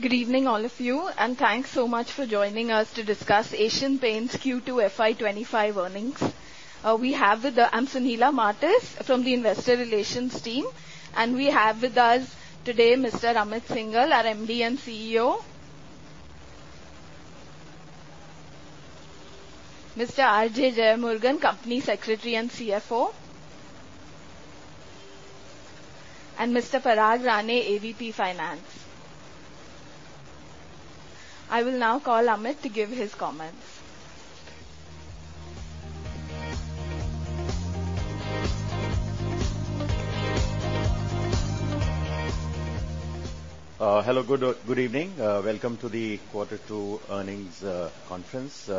Good evening, all of you, and thanks so much for joining us to discuss Asian Paints Q2 FY 2025 Earnings. We have with us. I'm Sunila Martis from the Investor Relations team, and we have with us today Mr. Amit Syngle, our MD and CEO, Mr. R.J. Jeyamurugan, Company Secretary and CFO, and Mr. Parag Rane, AVP Finance. I will now call Amit to give his comments. Hello, good evening. Welcome to the quarter two earnings conference.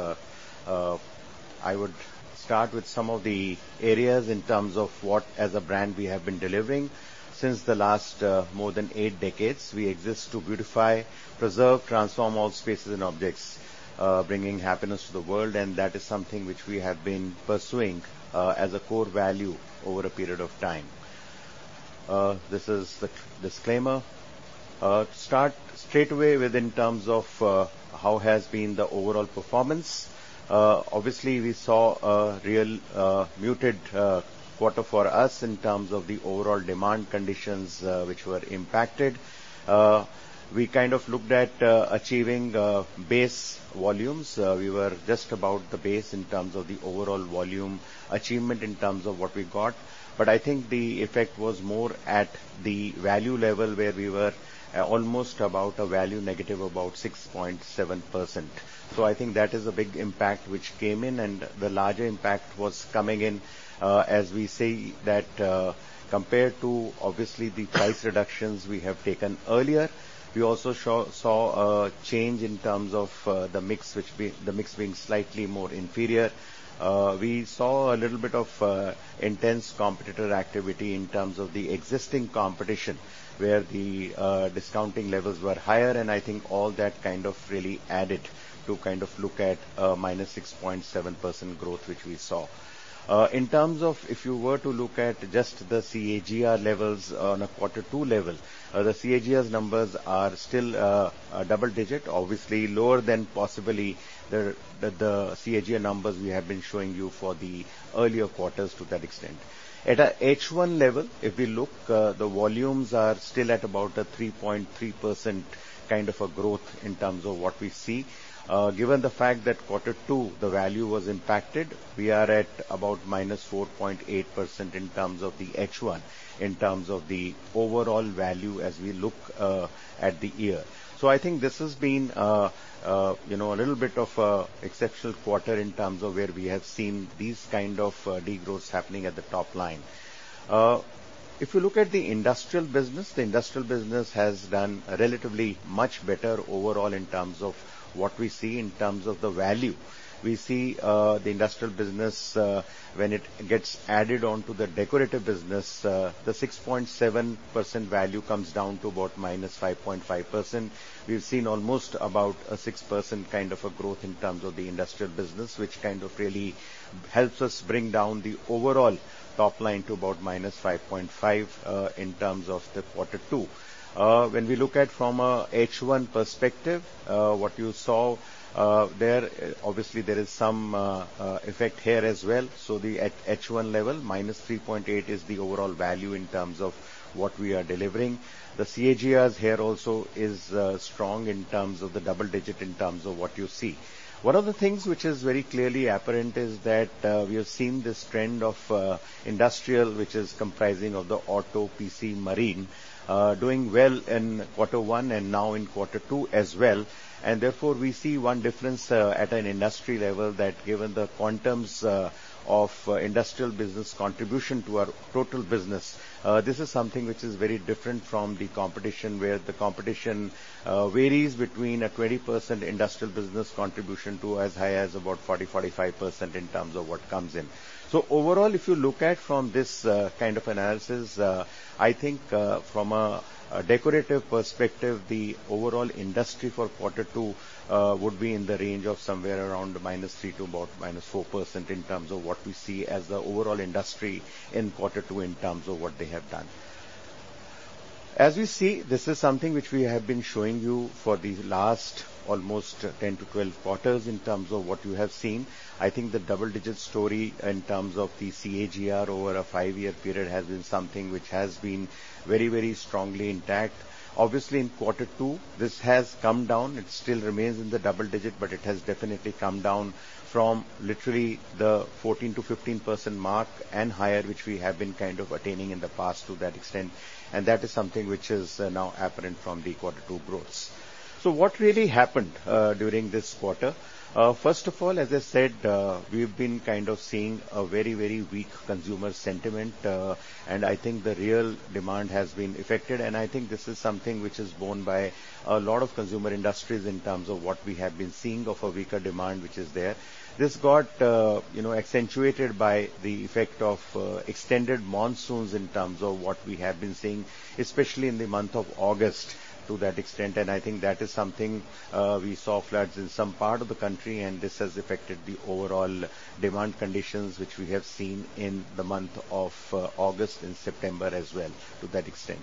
I would start with some of the areas in terms of what, as a brand, we have been delivering since the last more than eight decades. We exist to beautify, preserve, and transform all spaces and objects, bringing happiness to the world, and that is something which we have been pursuing as a core value over a period of time. This is the disclaimer. To start straight away with in terms of how has been the overall performance, obviously we saw a real muted quarter for us in terms of the overall demand conditions which were impacted. We kind of looked at achieving base volumes. We were just about the base in terms of the overall volume achievement in terms of what we got, but I think the effect was more at the value level where we were almost about a value negative of about 6.7%. So I think that is a big impact which came in, and the larger impact was coming in as we say that compared to, obviously, the price reductions we have taken earlier. We also saw a change in terms of the mix, which the mix being slightly more inferior. We saw a little bit of intense competitor activity in terms of the existing competition where the discounting levels were higher, and I think all that kind of really added to kind of look at -6.7% growth which we saw. In terms of if you were to look at just the CAGR levels on a quarter two level, the CAGR's numbers are still double-digit, obviously lower than possibly the CAGR numbers we have been showing you for the earlier quarters to that extent. At an H1 level, if we look, the volumes are still at about a 3.3% kind of a growth in terms of what we see. Given the fact that quarter two, the value was impacted, we are at about -4.8% in terms of the H1 in terms of the overall value as we look at the year. So I think this has been a little bit of an exceptional quarter in terms of where we have seen these kind of degrowths happening at the top line. If you look at the industrial business, the industrial business has done relatively much better overall in terms of what we see in terms of the value. We see the industrial business, when it gets added onto the decorative business, the 6.7% value comes down to about -5.5%. We've seen almost about a 6% kind of a growth in terms of the industrial business, which kind of really helps us bring down the overall top line to about -5.5% in terms of the quarter two. When we look at from an H1 perspective, what you saw there, obviously there is some effect here as well. So the H1 level, -3.8%, is the overall value in terms of what we are delivering. The CAGRs here also is strong in terms of the double-digit in terms of what you see. One of the things which is very clearly apparent is that we have seen this trend of industrial, which is comprising of the Auto, PC, Marine, doing well in quarter one and now in quarter two as well. And therefore, we see one difference at an industry level that given the quantums of industrial business contribution to our total business, this is something which is very different from the competition where the competition varies between a 20% industrial business contribution to as high as about 40%, 45% in terms of what comes in. So overall, if you look at from this kind of analysis, I think from a decorative perspective, the overall industry for quarter two would be in the range of somewhere around -3% to about -4% in terms of what we see as the overall industry in quarter two in terms of what they have done. As we see, this is something which we have been showing you for the last almost 10 to 12 quarters in terms of what you have seen. I think the double-digit story in terms of the CAGR over a five-year period has been something which has been very, very strongly intact. Obviously, in quarter two, this has come down. It still remains in the double-digit, but it has definitely come down from literally the 14%-15% mark and higher, which we have been kind of attaining in the past to that extent. And that is something which is now apparent from the quarter two growths. So what really happened during this quarter? First of all, as I said, we've been kind of seeing a very, very weak consumer sentiment, and I think the real demand has been affected. And I think this is something which is borne by a lot of consumer industries in terms of what we have been seeing of a weaker demand which is there. This got accentuated by the effect of extended monsoons in terms of what we have been seeing, especially in the month of August to that extent. And I think that is something we saw floods in some part of the country, and this has affected the overall demand conditions which we have seen in the month of August and September as well to that extent.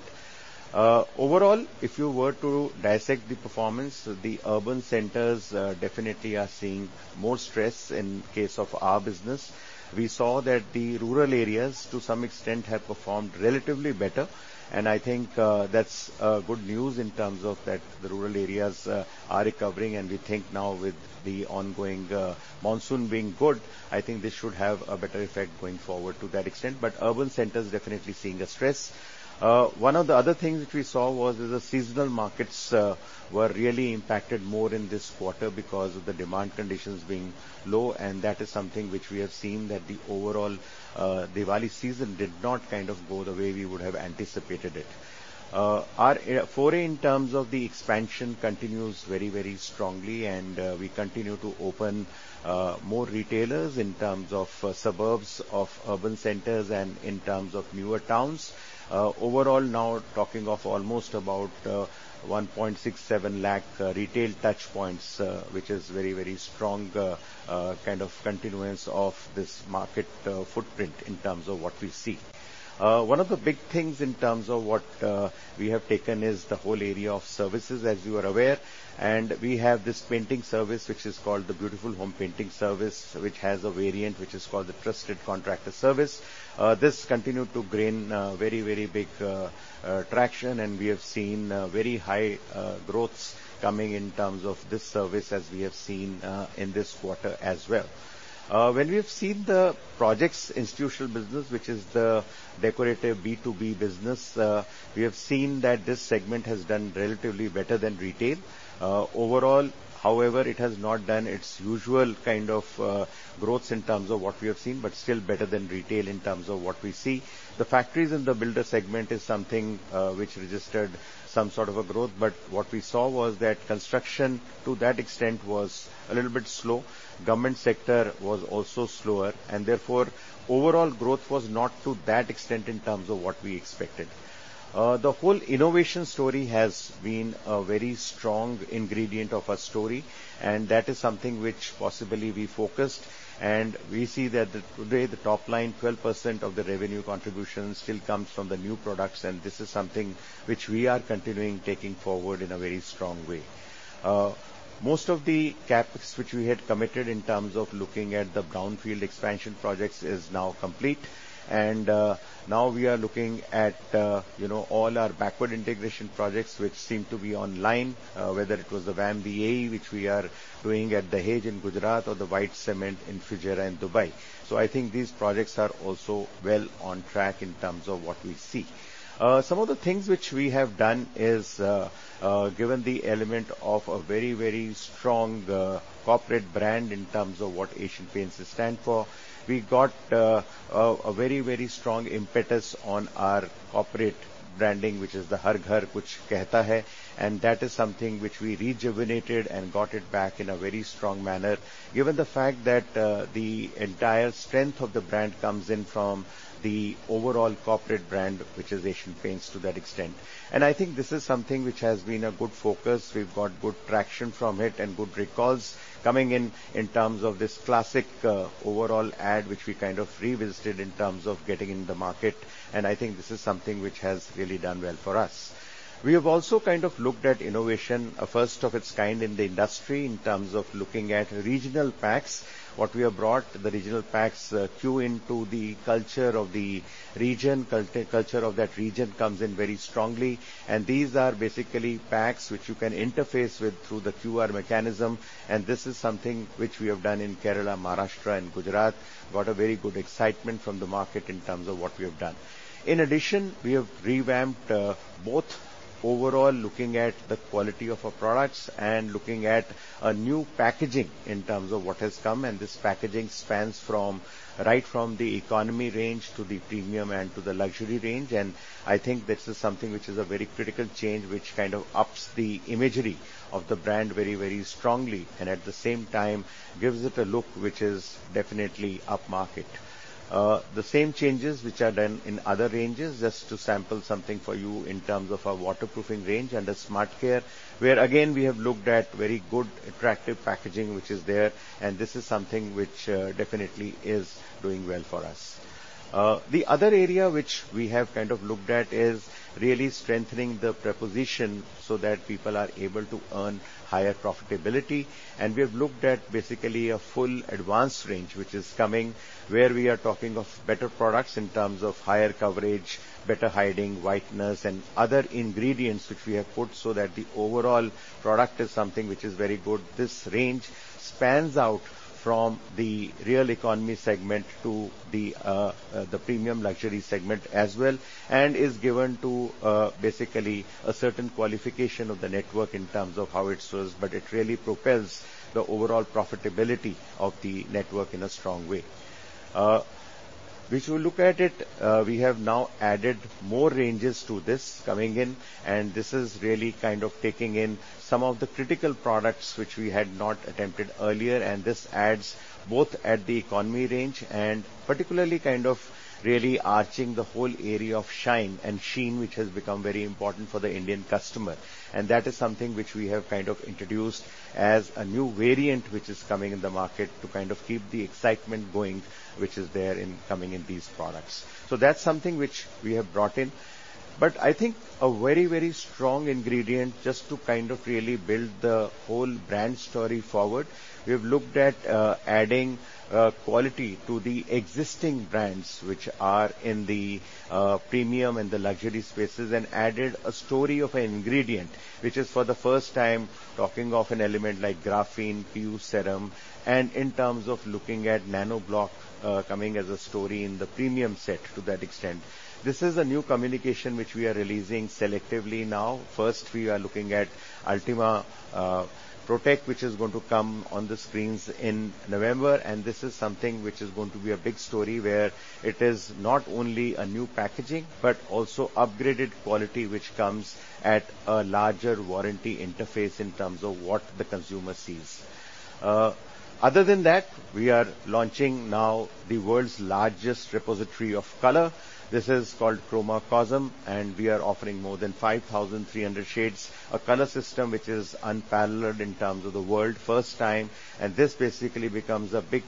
Overall, if you were to dissect the performance, the urban centers definitely are seeing more stress in case of our business. We saw that the rural areas to some extent have performed relatively better, and I think that's good news in terms of that the rural areas are recovering. We think now with the ongoing monsoon being good. I think this should have a better effect going forward to that extent. Urban centers definitely seeing a stress. One of the other things which we saw was the seasonal markets were really impacted more in this quarter because of the demand conditions being low, and that is something which we have seen that the overall Diwali season did not kind of go the way we would have anticipated it. For one, in terms of the expansion, continues very, very strongly, and we continue to open more retailers in terms of suburbs of urban centers and in terms of newer towns. Overall, now talking of almost about 1.67 lakh retail touch points, which is very, very strong kind of continuance of this market footprint in terms of what we see. One of the big things in terms of what we have taken is the whole area of services, as you are aware. And we have this painting service which is called the Beautiful Home Painting Service, which has a variant which is called the Trusted Contractor Service. This continued to gain very, very big traction, and we have seen very high growths coming in terms of this service as we have seen in this quarter as well. When we have seen the projects, institutional business, which is the decorative B2B business, we have seen that this segment has done relatively better than retail. Overall, however, it has not done its usual kind of growths in terms of what we have seen, but still better than retail in terms of what we see. The factories and the builder segment is something which registered some sort of a growth, but what we saw was that construction to that extent was a little bit slow. Government sector was also slower, and therefore overall growth was not to that extent in terms of what we expected. The whole innovation story has been a very strong ingredient of our story, and that is something which possibly we focused. And we see that today the top line, 12% of the revenue contribution still comes from the new products, and this is something which we are continuing taking forward in a very strong way. Most of the CapEx which we had committed in terms of looking at the Brownfield Expansion projects is now complete, and now we are looking at all our backward integration projects which seem to be online, whether it was the VAM, which we are doing at the Dahej in Gujarat, or the white cement in Fujairah in Dubai, so I think these projects are also well on track in terms of what we see. Some of the things which we have done is given the element of a very, very strong corporate brand in terms of what Asian Paints stands for. We got a very, very strong impetus on our corporate branding, which is the Har Ghar Kuch Kehta Hai, and that is something which we rejuvenated and got it back in a very strong manner, given the fact that the entire strength of the brand comes in from the overall corporate brand, which is Asian Paints to that extent, and I think this is something which has been a good focus. We've got good traction from it and good recalls coming in in terms of this classic overall ad, which we kind of revisited in terms of getting in the market, and I think this is something which has really done well for us. We have also kind of looked at innovation, a first of its kind in the industry in terms of looking at regional packs. What we have brought, the regional packs key into the culture of the region. Culture of that region comes in very strongly, and these are basically packs which you can interface with through the QR mechanism. This is something which we have done in Kerala, Maharashtra, and Gujarat. Got a very good excitement from the market in terms of what we have done. In addition, we have revamped both overall looking at the quality of our products and looking at new packaging in terms of what has come. This packaging spans right from the economy range to the premium and to the luxury range. I think this is something which is a very critical change which kind of ups the imagery of the brand very, very strongly, and at the same time gives it a look which is definitely upmarket. The same changes which are done in other ranges, just to sample something for you in terms of our waterproofing range and the SmartCare, where again we have looked at very good attractive packaging which is there, and this is something which definitely is doing well for us. The other area which we have kind of looked at is really strengthening the proposition so that people are able to earn higher profitability, and we have looked at basically a full advanced range which is coming, where we are talking of better products in terms of higher coverage, better hiding, whiteness, and other ingredients which we have put so that the overall product is something which is very good. This range spans out from the real economy segment to the premium luxury segment as well and is given to basically a certain qualification of the network in terms of how it serves, but it really propels the overall profitability of the network in a strong way. If you look at it, we have now added more ranges to this coming in, and this is really kind of taking in some of the critical products which we had not attempted earlier. And that is something which we have kind of introduced as a new variant which is coming in the market to kind of keep the excitement going, which is there in coming in these products. That's something which we have brought in. I think a very, very strong ingredient just to kind of really build the whole brand story forward, we have looked at adding quality to the existing brands which are in the premium and the luxury spaces and added a story of an ingredient, which is for the first time talking of an element like Graphene, PU Serum, and in terms of looking at Nanoblock coming as a story in the premium set to that extent. This is a new communication which we are releasing selectively now. First, we are looking at Ultima Protek, which is going to come on the screens in November, and this is something which is going to be a big story where it is not only a new packaging, but also upgraded quality which comes at a larger warranty interface in terms of what the consumer sees. Other than that, we are launching now the world's largest repository of color. This is called Chromacosm, and we are offering more than 5,300 shades, a color system which is unparalleled in terms of the world, first time. This basically becomes a big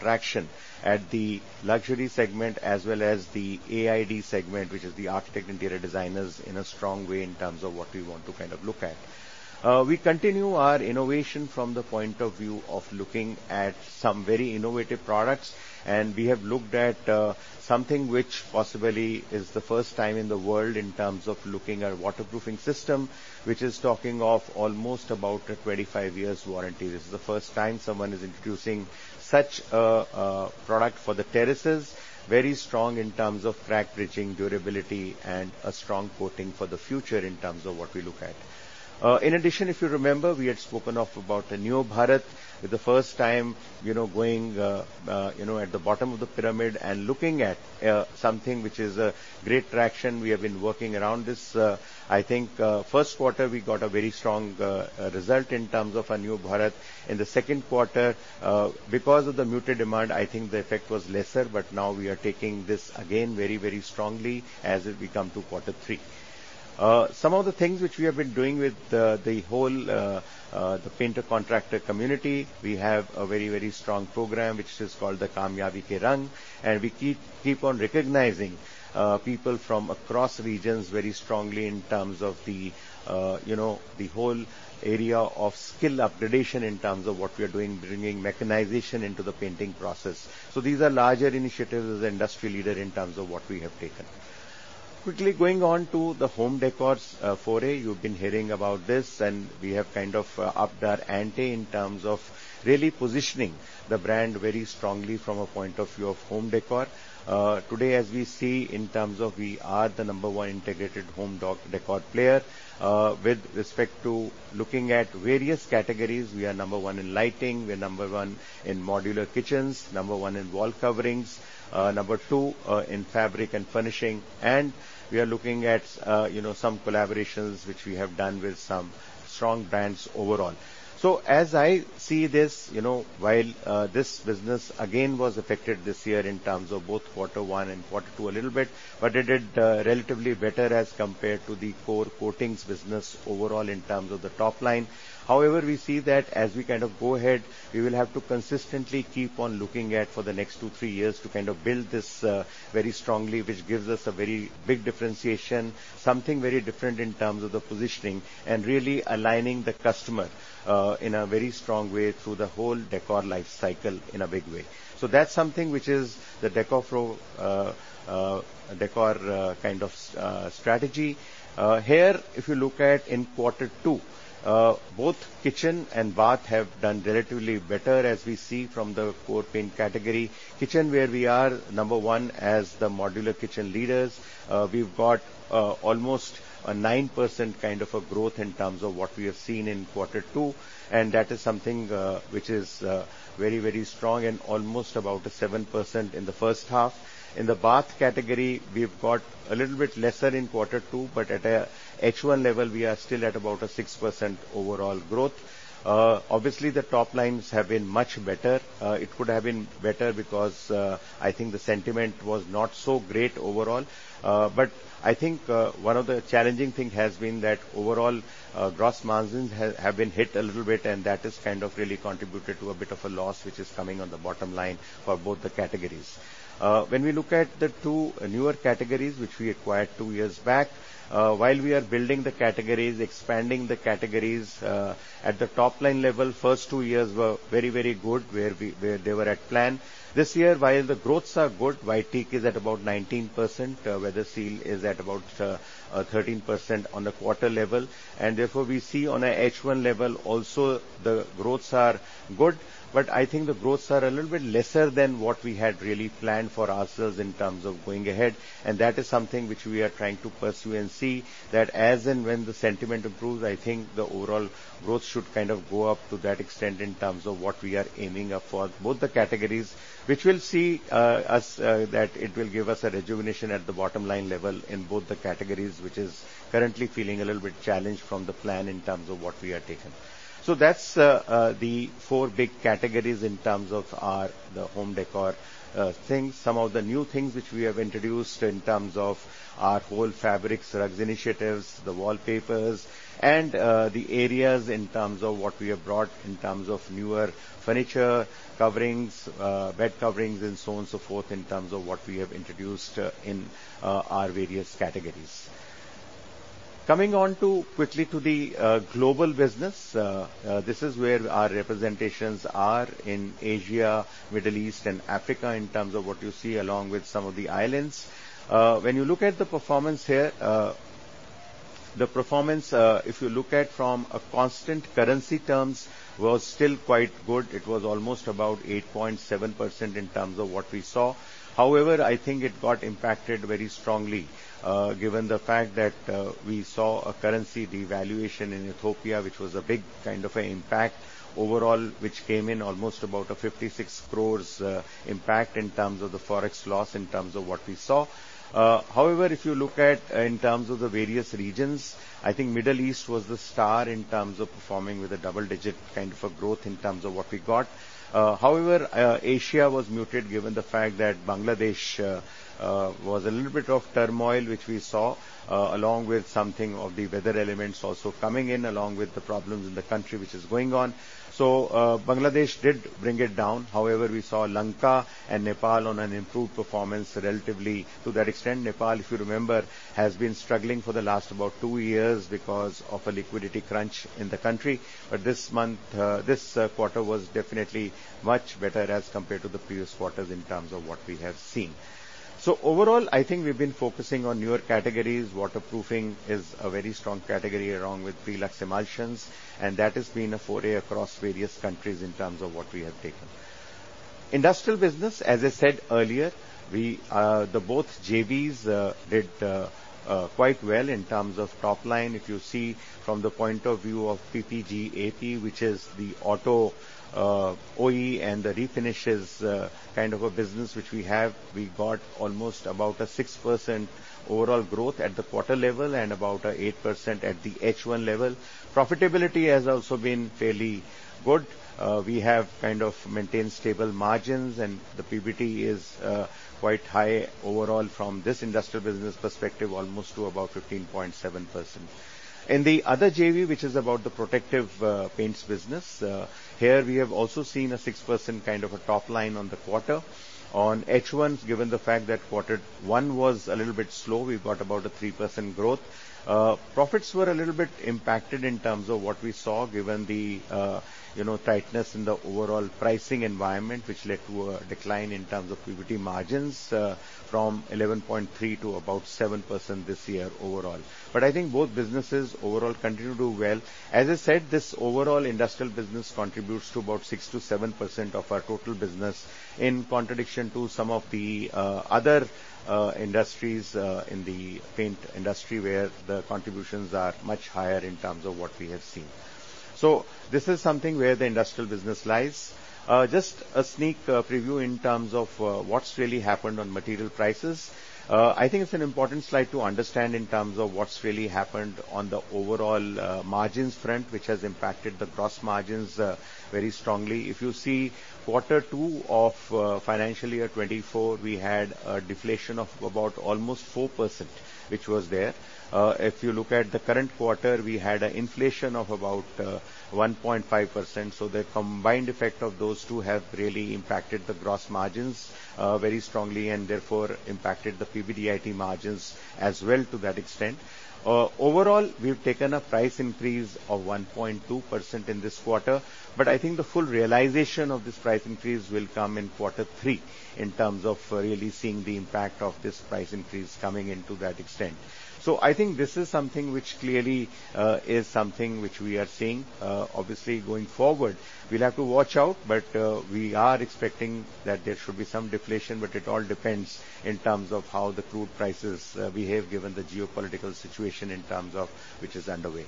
traction at the luxury segment as well as the AID segment, which is the architects and interior designers in a strong way in terms of what we want to kind of look at. We continue our innovation from the point of view of looking at some very innovative products, and we have looked at something which possibly is the first time in the world in terms of looking at waterproofing system, which is talking of almost about a 25-year warranty. This is the first time someone is introducing such a product for the terraces, very strong in terms of crack bridging, durability, and a strong coating for the future in terms of what we look at. In addition, if you remember, we had spoken of about the NeoBharat, the first time going at the bottom of the pyramid and looking at something which is a great traction. We have been working around this. I think first quarter we got a very strong result in terms of a NeoBharat. In the second quarter, because of the muted demand, I think the effect was lesser, but now we are taking this again very, very strongly as we come to quarter three. Some of the things which we have been doing with the whole painter contractor community, we have a very, very strong program which is called the Kaamyabi Ke Rang, and we keep on recognizing people from across regions very strongly in terms of the whole area of skill upgradation in terms of what we are doing, bringing mechanization into the painting process. So these are larger initiatives as an industry leader in terms of what we have taken. Quickly going on to the home décor foray, you've been hearing about this, and we have kind of upped our ante in terms of really positioning the brand very strongly from a point of view of home décor. Today, as we see in terms of we are the number one integrated home décor player. With respect to looking at various categories, we are number one in lighting, we are number one in modular kitchens, number one in wall coverings, number two in fabric and furnishing, and we are looking at some collaborations which we have done with some strong brands overall. So as I see this, while this business again was affected this year in terms of both quarter one and quarter two a little bit, but it did relatively better as compared to the core coatings business overall in terms of the top line. However, we see that as we kind of go ahead, we will have to consistently keep on looking at for the next two, three years to kind of build this very strongly, which gives us a very big differentiation, something very different in terms of the positioning and really aligning the customer in a very strong way through the whole decor life cycle in a big way, so that's something which is the decor kind of strategy. Here, if you look at in quarter two, both kitchen and bath have done relatively better as we see from the core paint category. Kitchen, where we are number one as the modular kitchen leaders, we've got almost a 9% kind of a growth in terms of what we have seen in quarter two, and that is something which is very, very strong and almost about a 7% in the first half. In the bath category, we've got a little bit lesser in quarter two, but at an actual level, we are still at about a 6% overall growth. Obviously, the top lines have been much better. It could have been better because I think the sentiment was not so great overall. But I think one of the challenging things has been that overall gross margins have been hit a little bit, and that has kind of really contributed to a bit of a loss which is coming on the bottom line for both the categories. When we look at the two newer categories which we acquired two years back, while we are building the categories, expanding the categories at the top line level, first two years were very, very good where they were at plan. This year, while the growths are good, White Teak is at about 19%, Weatherseal is at about 13% on the quarter level, and therefore we see on an H1 level also the growths are good, but I think the growths are a little bit lesser than what we had really planned for ourselves in terms of going ahead, and that is something which we are trying to pursue and see that as and when the sentiment improves, I think the overall growth should kind of go up to that extent in terms of what we are aiming for both the categories, which will see us that it will give us a rejuvenation at the bottom line level in both the categories, which is currently feeling a little bit challenged from the plan in terms of what we are taking. So that's the four big categories in terms of our home décor things. Some of the new things which we have introduced in terms of our whole fabrics, rugs initiatives, the wallpapers, and the areas in terms of what we have brought in terms of newer furniture, coverings, bed coverings, and so on and so forth in terms of what we have introduced in our various categories. Coming on quickly to the global business, this is where our representations are in Asia, Middle East, and Africa in terms of what you see along with some of the islands. When you look at the performance here, the performance, if you look at from a constant currency terms, was still quite good. It was almost about 8.7% in terms of what we saw. However, I think it got impacted very strongly given the fact that we saw a currency devaluation in Ethiopia, which was a big kind of an impact overall, which came in almost about a 56 crores impact in terms of the forex loss in terms of what we saw. However, if you look at in terms of the various regions, I think Middle East was the star in terms of performing with a double-digit kind of a growth in terms of what we got. However, Asia was muted given the fact that Bangladesh was a little bit of turmoil which we saw along with something of the weather elements also coming in along with the problems in the country which is going on. So Bangladesh did bring it down. However, we saw Lanka and Nepal on an improved performance relatively to that extent. Nepal, if you remember, has been struggling for the last about two years because of a liquidity crunch in the country. But this quarter was definitely much better as compared to the previous quarters in terms of what we have seen. So overall, I think we've been focusing on newer categories. Waterproofing is a very strong category along with pre-luxe emulsions, and that has been a foray across various countries in terms of what we have taken. Industrial business, as I said earlier, both JVs did quite well in terms of top line. If you see from the point of view of PPG AP, which is the auto OE and the refinishes kind of a business which we have, we got almost about a 6% overall growth at the quarter level and about an 8% at the H1 level. Profitability has also been fairly good. We have kind of maintained stable margins, and the PBT is quite high overall from this industrial business perspective, almost to about 15.7%. In the other JV, which is about the protective paints business, here we have also seen a 6% kind of a top line on the quarter. On H1, given the fact that quarter one was a little bit slow, we got about a 3% growth. Profits were a little bit impacted in terms of what we saw given the tightness in the overall pricing environment, which led to a decline in terms of PBT margins from 11.3% to about 7% this year overall. But I think both businesses overall continue to do well. As I said, this overall industrial business contributes to about 6%-7% of our total business in contradiction to some of the other industries in the paint industry where the contributions are much higher in terms of what we have seen. So this is something where the industrial business lies. Just a sneak preview in terms of what's really happened on material prices. I think it's an important slide to understand in terms of what's really happened on the overall margins front, which has impacted the gross margins very strongly. If you see quarter two of financial year 2024, we had a deflation of about almost 4%, which was there. If you look at the current quarter, we had an inflation of about 1.5%. So the combined effect of those two has really impacted the gross margins very strongly and therefore impacted the PBIT margins as well to that extent. Overall, we've taken a price increase of 1.2% in this quarter, but I think the full realization of this price increase will come in quarter three in terms of really seeing the impact of this price increase coming into that extent. So I think this is something which clearly is something which we are seeing. Obviously, going forward, we'll have to watch out, but we are expecting that there should be some deflation, but it all depends in terms of how the crude prices behave given the geopolitical situation in terms of which is underway.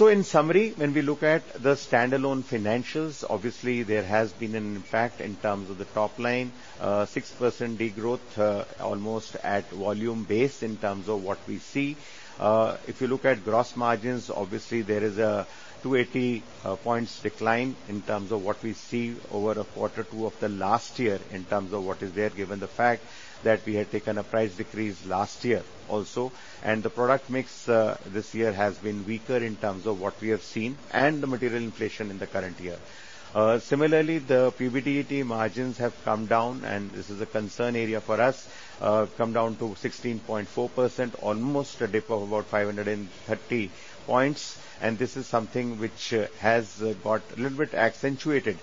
So in summary, when we look at the standalone financials, obviously there has been an impact in terms of the top line, 6% degrowth almost at volume base in terms of what we see. If you look at gross margins, obviously there is a 280 points decline in terms of what we see over quarter two of the last year in terms of what is there given the fact that we had taken a price decrease last year also. And the product mix this year has been weaker in terms of what we have seen and the material inflation in the current year. Similarly, the PBIT margins have come down, and this is a concern area for us, come down to 16.4%, almost a dip of about 530 points. This is something which has got a little bit accentuated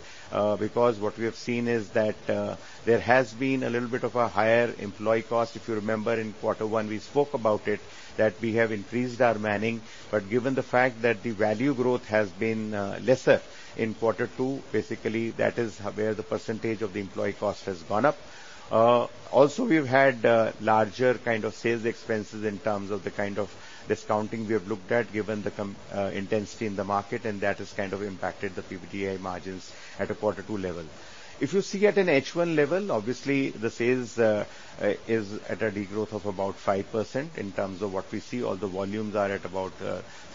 because what we have seen is that there has been a little bit of a higher employee cost. If you remember in quarter one, we spoke about it that we have increased our manning, but given the fact that the value growth has been lesser in quarter two, basically that is where the percentage of the employee cost has gone up. Also, we've had larger kind of sales expenses in terms of the kind of discounting we have looked at given the intensity in the market, and that has kind of impacted the PBIT margins at a quarter two level. If you see at an H1 level, obviously the sales is at a degrowth of about 5% in terms of what we see. All the volumes are at about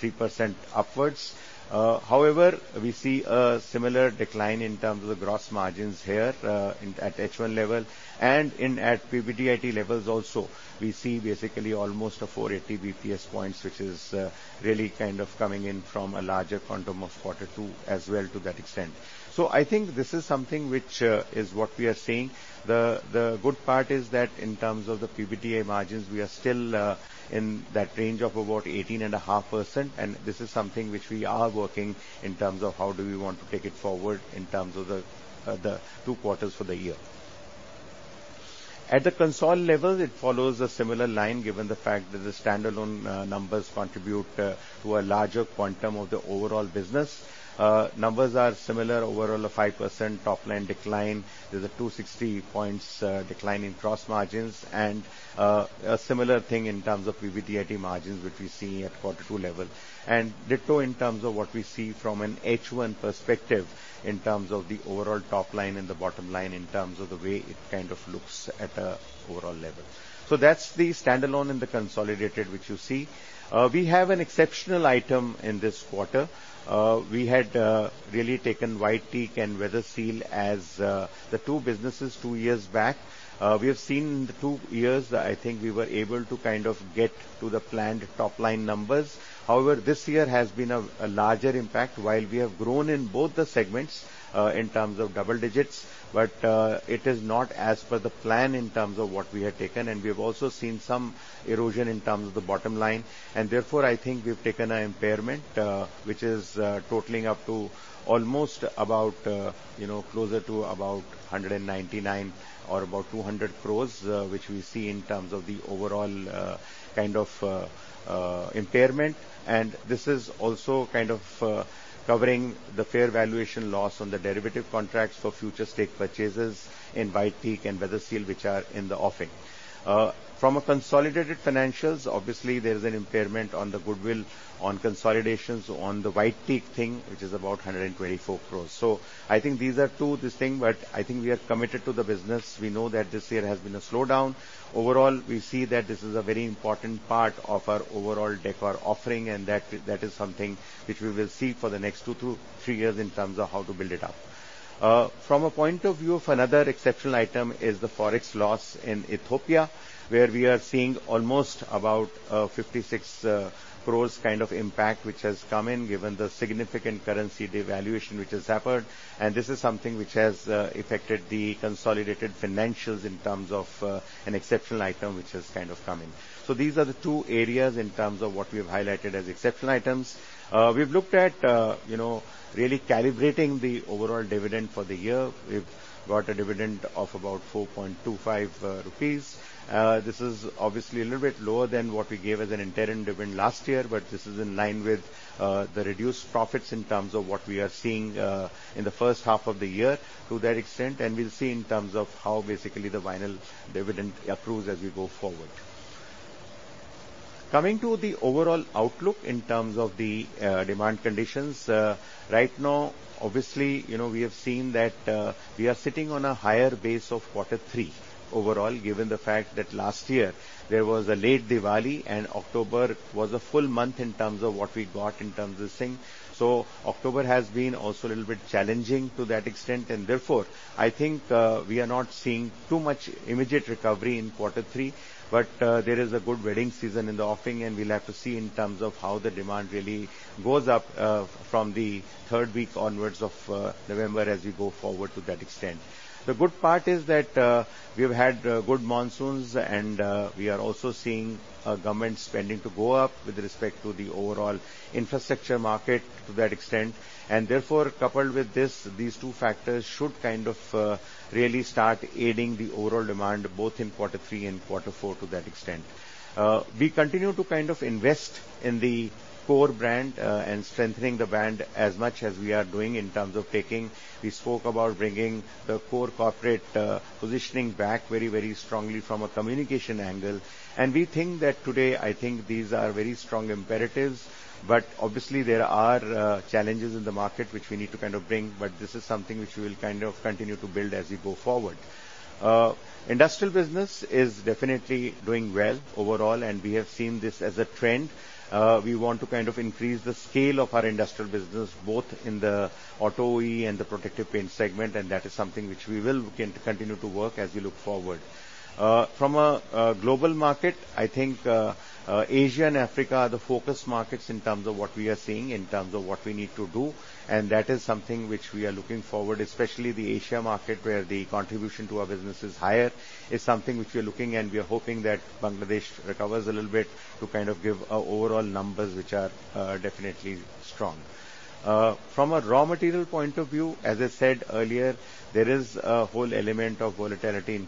3% upwards. However, we see a similar decline in terms of the gross margins here at H1 level and at PBIT levels also. We see basically almost a 480 basis points, which is really kind of coming in from a larger quantum of quarter two as well to that extent. So I think this is something which is what we are seeing. The good part is that in terms of the PBT margins, we are still in that range of about 18.5%, and this is something which we are working in terms of how do we want to take it forward in terms of the two quarters for the year. At the consolidated level, it follows a similar line given the fact that the standalone numbers contribute to a larger quantum of the overall business. Numbers are similar overall, a 5% top line decline. There's a 260 points decline in gross margins and a similar thing in terms of PBIT margins which we see at quarter two level, and ditto in terms of what we see from an H1 perspective in terms of the overall top line and the bottom line in terms of the way it kind of looks at an overall level, so that's the standalone and the consolidated which you see. We have an exceptional item in this quarter. We had really taken White Teak and Weatherseal as the two businesses two years back. We have seen in the two years, I think we were able to kind of get to the planned top line numbers. However, this year has been a larger impact while we have grown in both the segments in terms of double-digits, but it is not as per the plan in terms of what we had taken. We have also seen some erosion in terms of the bottom line. Therefore, I think we've taken an impairment which is totaling up to almost about closer to about 199 or about 200 crores which we see in terms of the overall kind of impairment. This is also kind of covering the fair valuation loss on the derivative contracts for future stake purchases in White Teak and Weatherseal, which are in the offing. From a consolidated financials, obviously there's an impairment on the goodwill on consolidations on the White Teak thing, which is about 124 crores. I think these are two of these things, but I think we are committed to the business. We know that this year has been a slowdown. Overall, we see that this is a very important part of our overall decor offering, and that is something which we will see for the next two to three years in terms of how to build it up. From a point of view of another exceptional item is the forex loss in Ethiopia, where we are seeing almost about 56 crores kind of impact which has come in given the significant currency devaluation which has happened. And this is something which has affected the consolidated financials in terms of an exceptional item which has kind of come in. These are the two areas in terms of what we have highlighted as exceptional items. We've looked at really calibrating the overall dividend for the year. We've got a dividend of about 4.25 rupees. This is obviously a little bit lower than what we gave as an interim dividend last year, but this is in line with the reduced profits in terms of what we are seeing in the first half of the year to that extent, and we'll see in terms of how basically the final dividend accrues as we go forward. Coming to the overall outlook in terms of the demand conditions, right now, obviously we have seen that we are sitting on a higher base of quarter three overall given the fact that last year there was a late Diwali, and October was a full month in terms of what we got in terms of this thing, so October has been also a little bit challenging to that extent. And therefore, I think we are not seeing too much immediate recovery in quarter three, but there is a good wedding season in the offing, and we'll have to see in terms of how the demand really goes up from the third week onwards of November as we go forward to that extent. The good part is that we've had good monsoons, and we are also seeing government spending to go up with respect to the overall infrastructure market to that extent. And therefore, coupled with this, these two factors should kind of really start aiding the overall demand both in quarter three and quarter four to that extent. We continue to kind of invest in the core brand and strengthening the brand as much as we are doing in terms of taking. We spoke about bringing the core corporate positioning back very, very strongly from a communication angle. We think that today, I think these are very strong imperatives, but obviously there are challenges in the market which we need to kind of bring. This is something which we will kind of continue to build as we go forward. Industrial business is definitely doing well overall, and we have seen this as a trend. We want to kind of increase the scale of our industrial business both in the auto OE and the protective paint segment, and that is something which we will continue to work as we look forward. From a global market, I think Asia and Africa are the focus markets in terms of what we are seeing in terms of what we need to do. That is something which we are looking forward, especially the Asia market where the contribution to our business is higher. It's something which we are looking, and we are hoping that Bangladesh recovers a little bit to kind of give overall numbers which are definitely strong. From a raw material point of view, as I said earlier, there is a whole element of volatility in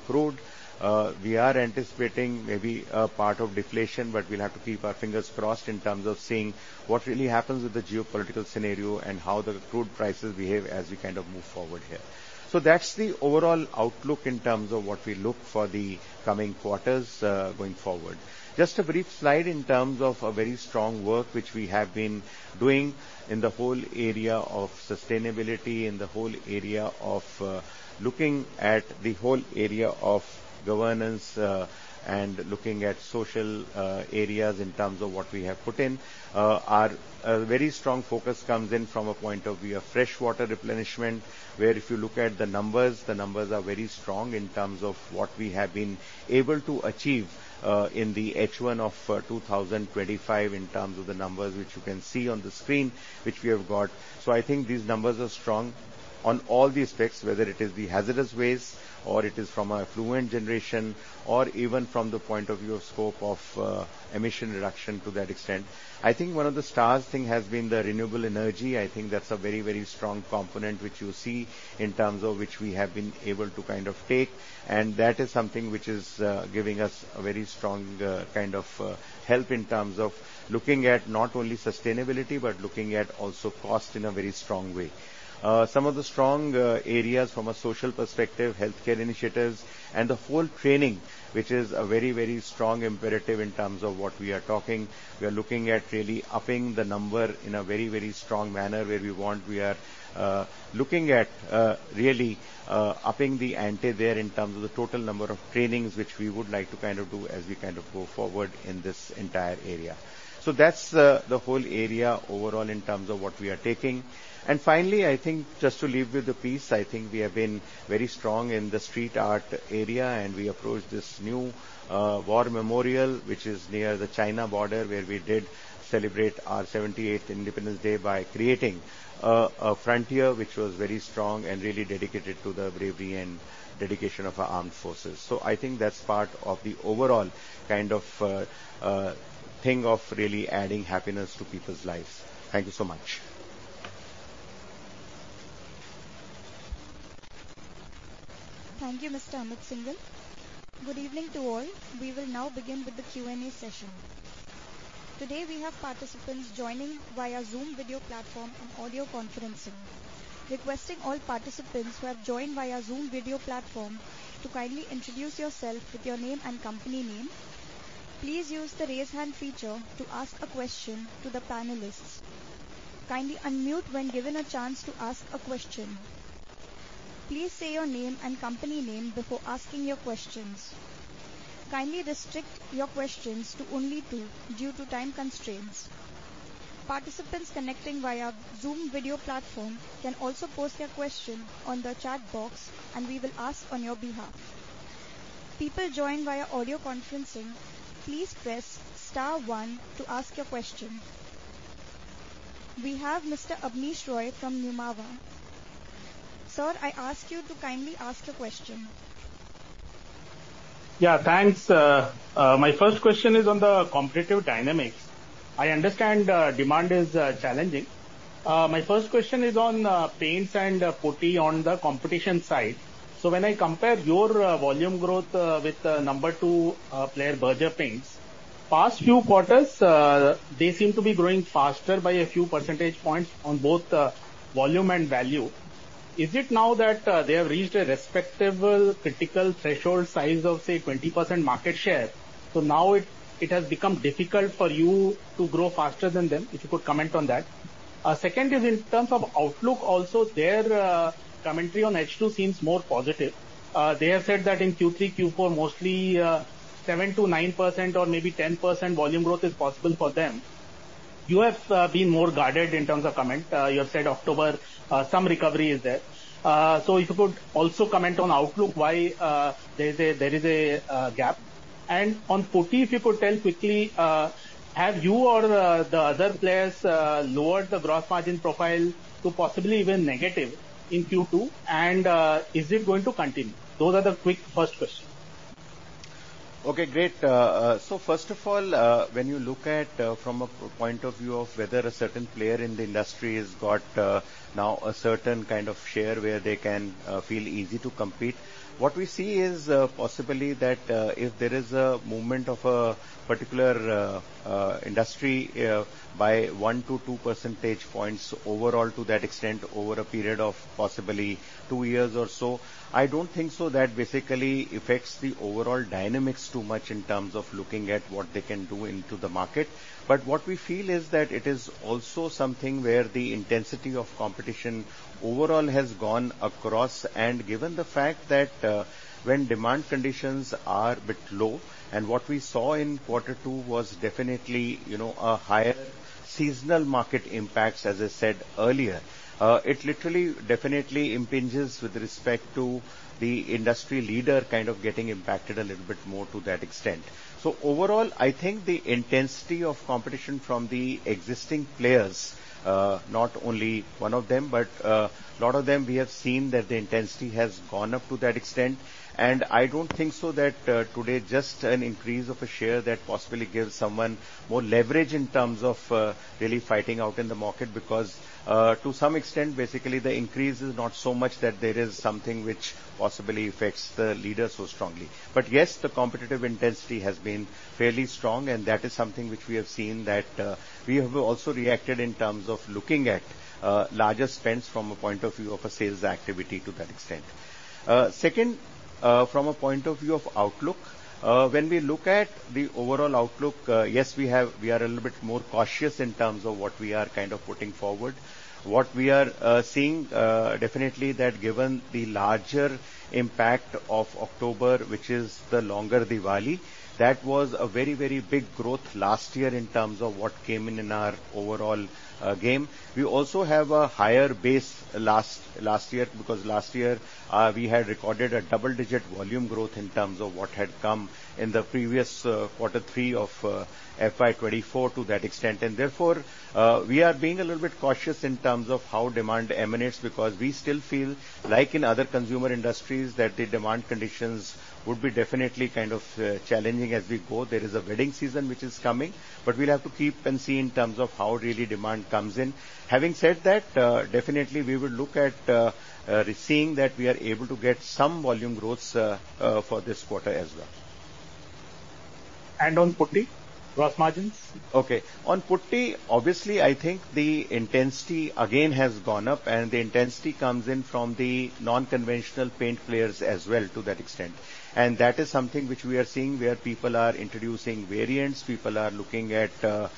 crude. We are anticipating maybe a part of deflation, but we'll have to keep our fingers crossed in terms of seeing what really happens with the geopolitical scenario and how the crude prices behave as we kind of move forward here. So that's the overall outlook in terms of what we look for the coming quarters going forward. Just a brief slide in terms of a very strong work which we have been doing in the whole area of sustainability, in the whole area of looking at the whole area of governance and looking at social areas in terms of what we have put in. Our very strong focus comes in from a point of view of freshwater replenishment, where if you look at the numbers, the numbers are very strong in terms of what we have been able to achieve in the H1 of 2025 in terms of the numbers which you can see on the screen which we have got. So I think these numbers are strong on all these specs, whether it is the hazardous waste or it is from an effluent generation or even from the point of view of scope of emission reduction to that extent. I think one of the standout things has been the renewable energy. I think that's a very, very strong component which you see in terms of which we have been able to kind of take. That is something which is giving us a very strong kind of help in terms of looking at not only sustainability, but looking at also cost in a very strong way. Some of the strong areas from a social perspective, healthcare initiatives, and the whole training, which is a very, very strong imperative in terms of what we are talking. We are looking at really upping the number in a very, very strong manner where we want. We are looking at really upping the ante there in terms of the total number of trainings which we would like to kind of do as we kind of go forward in this entire area. That's the whole area overall in terms of what we are taking. And finally, I think just to leave with the peace, I think we have been very strong in the street art area, and we approached this new war memorial which is near the China border where we did celebrate our 78th Independence Day by creating a frontier which was very strong and really dedicated to the bravery and dedication of our armed forces. So I think that's part of the overall kind of thing of really adding happiness to people's lives. Thank you so much. Thank you, Mr. Amit Syngle. Good evening to all. We will now begin with the Q&A session. Today, we have participants joining via Zoom video platform and audio conferencing. Requesting all participants who have joined via Zoom video platform to kindly introduce yourself with your name and company name. Please use the raise hand feature to ask a question to the panelists. Kindly unmute when given a chance to ask a question. Please say your name and company name before asking your questions. Kindly restrict your questions to only two due to time constraints. Participants connecting via Zoom video platform can also post their question on the chat box, and we will ask on your behalf. People joined via audio conferencing, please press star one to ask your question. We have Mr. Abneesh Roy from Nuvama. Sir, I ask you to kindly ask a question. Yeah, thanks. My first question is on the competitive dynamics. I understand demand is challenging. My first question is on paints and putty on the competition side. So when I compare your volume growth with number two player, Berger Paints, past few quarters, they seem to be growing faster by a few percentage points on both volume and value. Is it now that they have reached a respectable critical threshold size of, say, 20% market share? So now it has become difficult for you to grow faster than them. If you could comment on that. Second is in terms of outlook, also their commentary on H2 seems more positive. They have said that in Q3, Q4, mostly 7%-9% or maybe 10% volume growth is possible for them. You have been more guarded in terms of comment. You have said October, some recovery is there. So if you could also comment on outlook, why there is a gap. And on putty, if you could tell quickly, have you or the other players lowered the gross margin profile to possibly even negative in Q2, and is it going to continue? Those are the quick first questions. Okay, great. So first of all, when you look at from a point of view of whether a certain player in the industry has got now a certain kind of share where they can feel easy to compete, what we see is possibly that if there is a movement of a particular industry by one to two percentage points overall to that extent over a period of possibly two years or so, I don't think so that basically affects the overall dynamics too much in terms of looking at what they can do into the market. But what we feel is that it is also something where the intensity of competition overall has gone across. Given the fact that when demand conditions are a bit low, and what we saw in quarter two was definitely a higher seasonal market impacts, as I said earlier, it literally definitely impinges with respect to the industry leader kind of getting impacted a little bit more to that extent. So overall, I think the intensity of competition from the existing players, not only one of them, but a lot of them, we have seen that the intensity has gone up to that extent. And I don't think so that today just an increase of a share that possibly gives someone more leverage in terms of really fighting out in the market because to some extent, basically the increase is not so much that there is something which possibly affects the leaders so strongly. But yes, the competitive intensity has been fairly strong, and that is something which we have seen that we have also reacted in terms of looking at larger spends from a point of view of a sales activity to that extent. Second, from a point of view of outlook, when we look at the overall outlook, yes, we are a little bit more cautious in terms of what we are kind of putting forward. What we are seeing definitely that given the larger impact of October, which is the longer Diwali, that was a very, very big growth last year in terms of what came in our overall gamut. We also have a higher base last year because last year we had recorded a double-digit volume growth in terms of what had come in the previous quarter three of FY 2024 to that extent. Therefore, we are being a little bit cautious in terms of how demand emanates because we still feel like in other consumer industries that the demand conditions would be definitely kind of challenging as we go. There is a wedding season which is coming, but we'll have to wait and see in terms of how real demand comes in. Having said that, definitely we will look at seeing that we are able to get some volume growth for this quarter as well. And on putty? Gross margins? Okay. On putty, obviously I think the intensity again has gone up, and the intensity comes in from the non-conventional paint players as well to that extent. And that is something which we are seeing where people are introducing variants. People are looking at a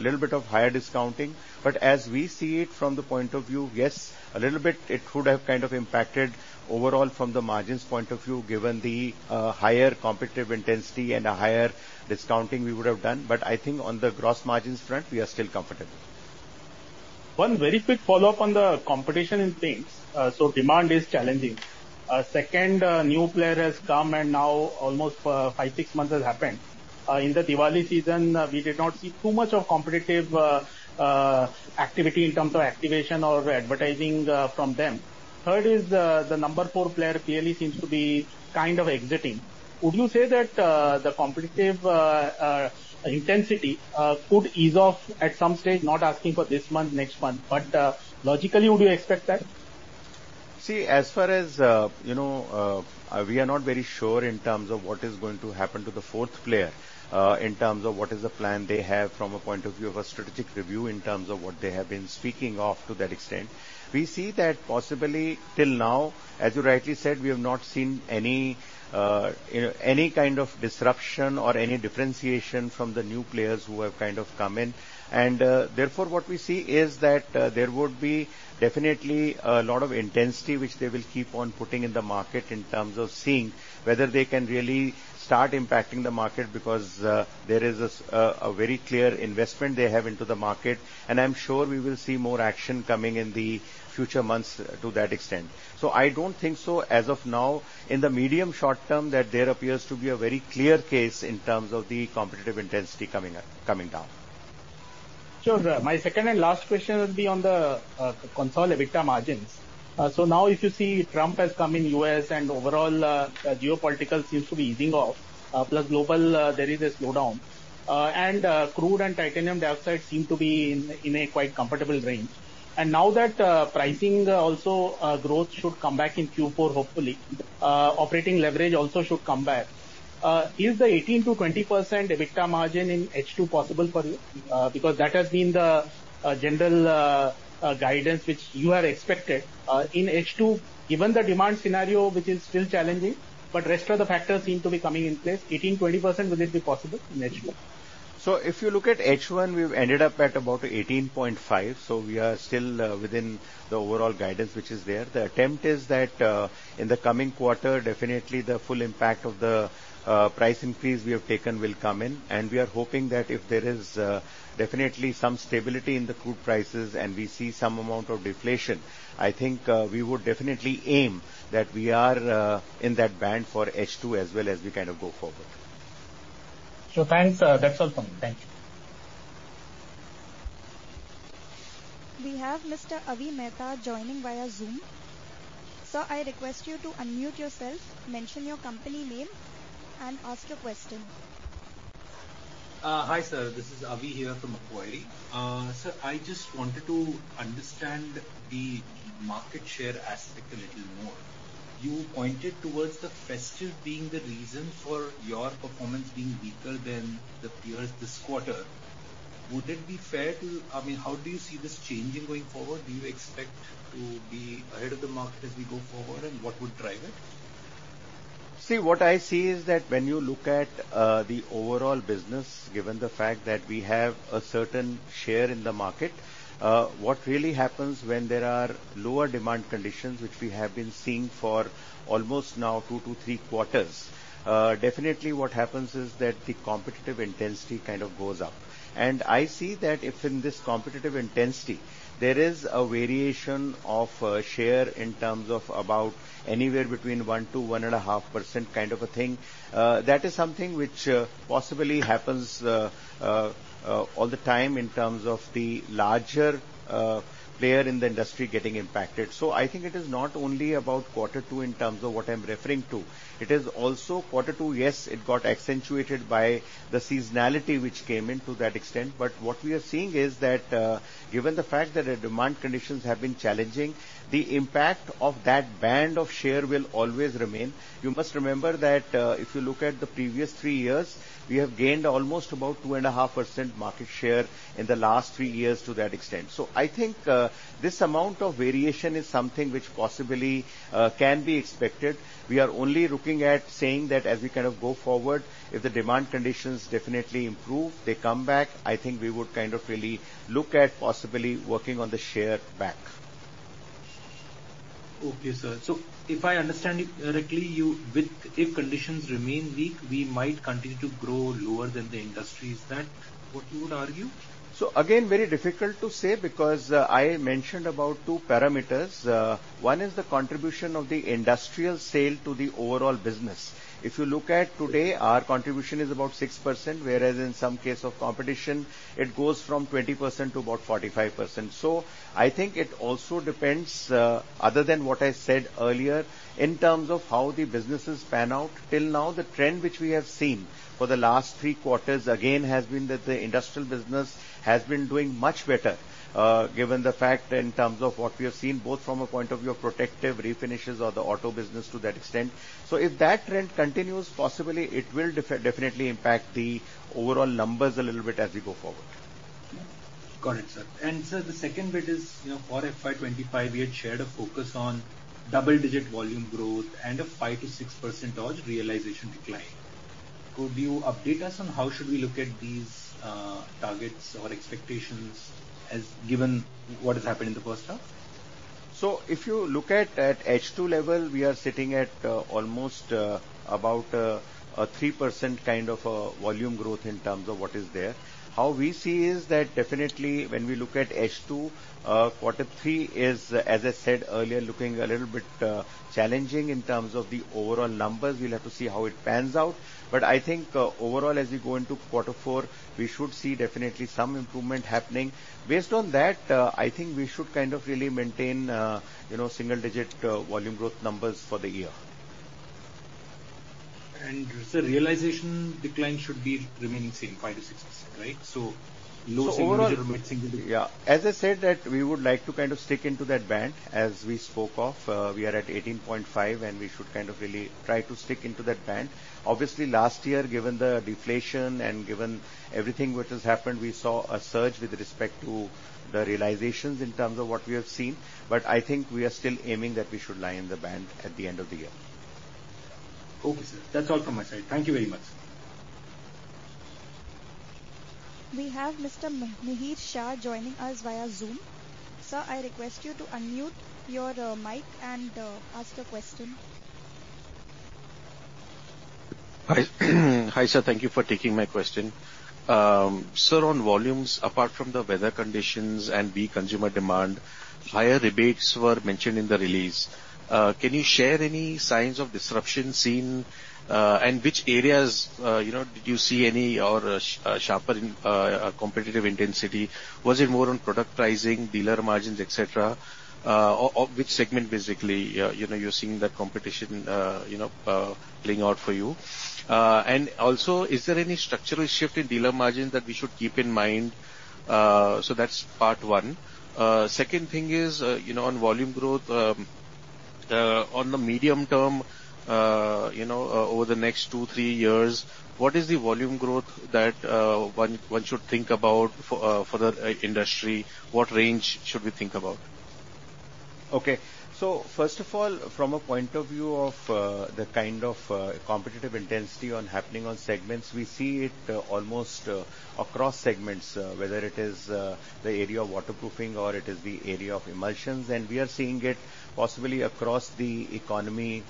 little bit of higher discounting. But as we see it from the point of view, yes, a little bit it could have kind of impacted overall from the margins point of view given the higher competitive intensity and a higher discounting we would have done. But I think on the gross margins front, we are still comfortable. One very quick follow-up on the competition in paints. So demand is challenging. Second, a new player has come, and now almost five, six months has happened. In the Diwali season, we did not see too much of competitive activity in terms of activation or advertising from them. Third is the number four player clearly seems to be kind of exiting. Would you say that the competitive intensity could ease off at some stage, not asking for this month, next month? But logically, would you expect that? See, as far as we are not very sure in terms of what is going to happen to the fourth player, in terms of what is the plan they have from a point of view of a strategic review in terms of what they have been speaking of to that extent. We see that possibly till now, as you rightly said, we have not seen any kind of disruption or any differentiation from the new players who have kind of come in, and therefore, what we see is that there would be definitely a lot of intensity which they will keep on putting in the market in terms of seeing whether they can really start impacting the market because there is a very clear investment they have into the market, and I'm sure we will see more action coming in the future months to that extent. So I don't think so as of now in the medium short term that there appears to be a very clear case in terms of the competitive intensity coming down. Sure. My second and last question will be on the consolidated margins. So now if you see Trump has come in U.S. and overall geopolitical seems to be easing off, plus global, there is a slowdown. And crude and titanium dioxide seem to be in a quite comfortable range. And now that pricing also growth should come back in Q4, hopefully operating leverage also should come back. Is the 18%-20% margin in H2 possible for you? Because that has been the general guidance which you have expected in H2, given the demand scenario which is still challenging, but the rest of the factors seem to be coming in place. 18%-20%, will it be possible in H2? So if you look at H1, we've ended up at about 18.5%. So we are still within the overall guidance which is there. The attempt is that in the coming quarter, definitely the full impact of the price increase we have taken will come in. And we are hoping that if there is definitely some stability in the crude prices and we see some amount of deflation, I think we would definitely aim that we are in that band for H2 as well as we kind of go forward. So thanks. That's all from me. Thank you. We have Mr. Avi Mehta joining via Zoom. Sir, I request you to unmute yourself, mention your company name, and ask your question. Hi sir, this is Avi here from Macquarie. Sir, I just wanted to understand the market share aspect a little more. You pointed towards the festive being the reason for your performance being weaker than the peers this quarter. Would it be fair to, I mean, how do you see this changing going forward? Do you expect to be ahead of the market as we go forward, and what would drive it? See, what I see is that when you look at the overall business, given the fact that we have a certain share in the market, what really happens when there are lower demand conditions which we have been seeing for almost now two to three quarters, definitely what happens is that the competitive intensity kind of goes up. I see that if in this competitive intensity there is a variation of share in terms of about anywhere between 1-1.5% kind of a thing, that is something which possibly happens all the time in terms of the larger player in the industry getting impacted. So I think it is not only about quarter two in terms of what I'm referring to. It is also quarter two, yes, it got accentuated by the seasonality which came into that extent. But what we are seeing is that given the fact that the demand conditions have been challenging, the impact of that band of share will always remain. You must remember that if you look at the previous three years, we have gained almost about 2.5% market share in the last three years to that extent. So I think this amount of variation is something which possibly can be expected. We are only looking at saying that as we kind of go forward, if the demand conditions definitely improve, they come back. I think we would kind of really look at possibly working on the share back. Okay sir. So if I understand correctly, if conditions remain weak, we might continue to grow lower than the industry. Is that what you would argue? So again, very difficult to say because I mentioned about two parameters. One is the contribution of the industrial sale to the overall business. If you look at today, our contribution is about 6%, whereas in some case of competition, it goes from 20% to about 45%. So I think it also depends, other than what I said earlier, in terms of how the businesses pan out. Till now, the trend which we have seen for the last three quarters again has been that the industrial business has been doing much better given the fact in terms of what we have seen both from a point of view of protective refinishes or the auto business to that extent. So if that trend continues, possibly it will definitely impact the overall numbers a little bit as we go forward. Got it, sir. And sir, the second bit is for FY 2025, we had shared a focus on double-digit volume growth and a 5%-6% realization decline. Could you update us on how should we look at these targets or expectations given what has happened in the first half? So if you look at H2 level, we are sitting at almost about 3% kind of volume growth in terms of what is there. How we see is that definitely when we look at H2, quarter three is, as I said earlier, looking a little bit challenging in terms of the overall numbers. We'll have to see how it pans out. But I think overall, as we go into quarter four, we should see definitely some improvement happening. Based on that, I think we should kind of really maintain single-digit volume growth numbers for the year. And sir, realization decline should be remaining same 5%-6%, right? So low single-digit remain single-digit. Yeah. As I said, we would like to kind of stick into that band as we spoke of. We are at 18.5%, and we should kind of really try to stick into that band. Obviously, last year, given the deflation and given everything which has happened, we saw a surge with respect to the realizations in terms of what we have seen. But I think we are still aiming that we should lie in the band at the end of the year. Okay sir. That's all from my side. Thank you very much. We have Mr. Mohit Shah joining us via Zoom. Sir, I request you to unmute your mic and ask a question. Hi sir, thank you for taking my question. Sir, on volumes, apart from the weather conditions and B, consumer demand, higher rebates were mentioned in the release. Can you share any signs of disruption seen and which areas did you see any sharper competitive intensity? Was it more on product pricing, dealer margins, etc., or which segment basically you're seeing the competition playing out for you? And also, is there any structural shift in dealer margins that we should keep in mind? So that's part one. Second thing is on volume growth, on the medium term over the next two, three years, what is the volume growth that one should think about for the industry? What range should we think about? Okay. So first of all, from a point of view of the kind of competitive intensity happening on segments, we see it almost across segments, whether it is the area of waterproofing or it is the area of emulsions. And we are seeing it possibly across the economy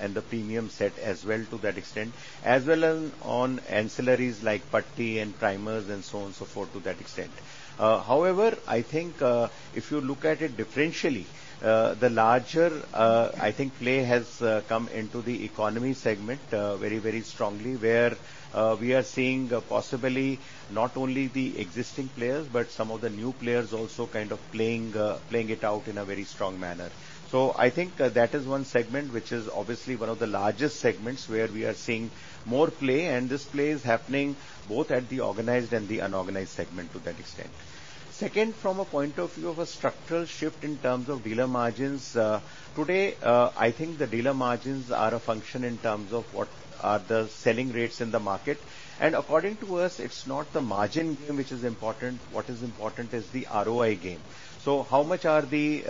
and the premium set as well to that extent, as well as on ancillaries like putty and primers and so on and so forth to that extent. However, I think if you look at it differentially, the larger I think play has come into the economy segment very, very strongly, where we are seeing possibly not only the existing players but some of the new players also kind of playing it out in a very strong manner. So I think that is one segment which is obviously one of the largest segments where we are seeing more play. And this play is happening both at the organized and the unorganized segment to that extent. Second, from a point of view of a structural shift in terms of dealer margins, today I think the dealer margins are a function in terms of what are the selling rates in the market. And according to us, it's not the margin game which is important. What is important is the ROI game. So how much are the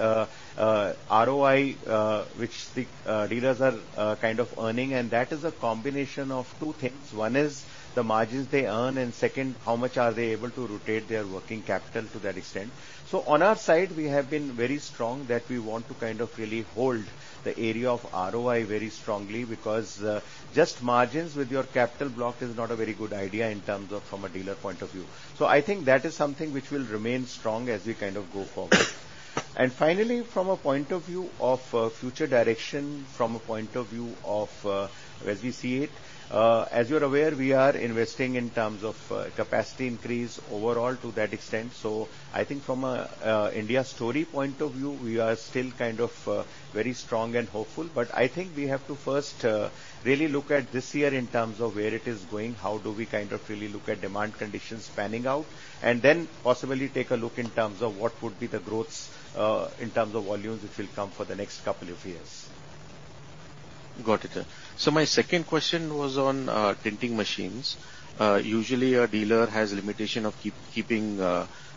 ROI which the dealers are kind of earning? And that is a combination of two things. One is the margins they earn, and second, how much are they able to rotate their working capital to that extent? So on our side, we have been very strong that we want to kind of really hold the area of ROI very strongly because just margins with your capital block is not a very good idea in terms of from a dealer point of view. So I think that is something which will remain strong as we kind of go forward. And finally, from a point of view of future direction, from a point of view of as we see it, as you're aware, we are investing in terms of capacity increase overall to that extent. So I think from an India story point of view, we are still kind of very strong and hopeful. But I think we have to first really look at this year in terms of where it is going, how do we kind of really look at demand conditions panning out, and then possibly take a look in terms of what would be the growth in terms of volumes which will come for the next couple of years. Got it. So my second question was on tinting machines. Usually, a dealer has limitation of keeping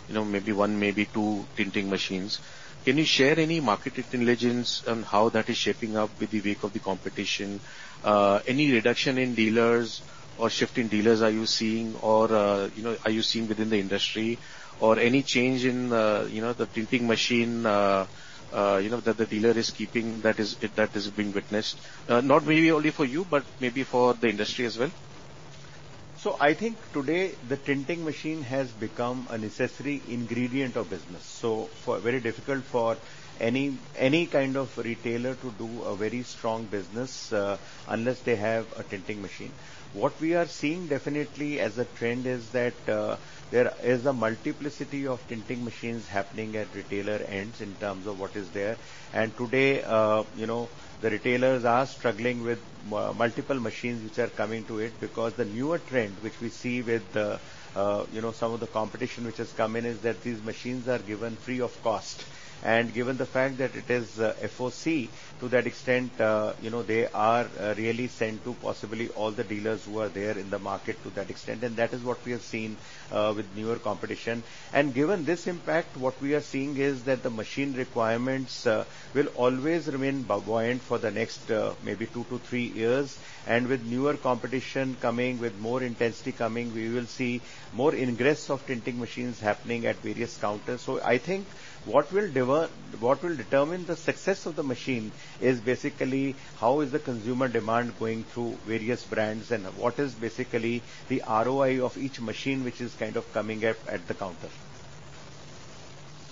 maybe one, maybe two tinting machines. Can you share any market intelligence on how that is shaping up with the weakness of the competition? Any reduction in dealers or shift in dealers are you seeing, or are you seeing within the industry, or any change in the tinting machine that the dealer is keeping that has been witnessed? Not maybe only for you, but maybe for the industry as well. So I think today the tinting machine has become a necessary ingredient of business. So very difficult for any kind of retailer to do a very strong business unless they have a tinting machine. What we are seeing definitely as a trend is that there is a multiplicity of tinting machines happening at retailer ends in terms of what is there, and today, the retailers are struggling with multiple machines which are coming to it because the newer trend which we see with some of the competition which has come in is that these machines are given free of cost. And given the fact that it is FOC to that extent, they are really sent to possibly all the dealers who are there in the market to that extent. And that is what we have seen with newer competition. And given this impact, what we are seeing is that the machine requirements will always remain buffered for the next maybe two to three years. And with newer competition coming, with more intensity coming, we will see more ingress of tinting machines happening at various counters. So I think what will determine the success of the machine is basically how is the consumer demand going through various brands and what is basically the ROI of each machine which is kind of coming up at the counter.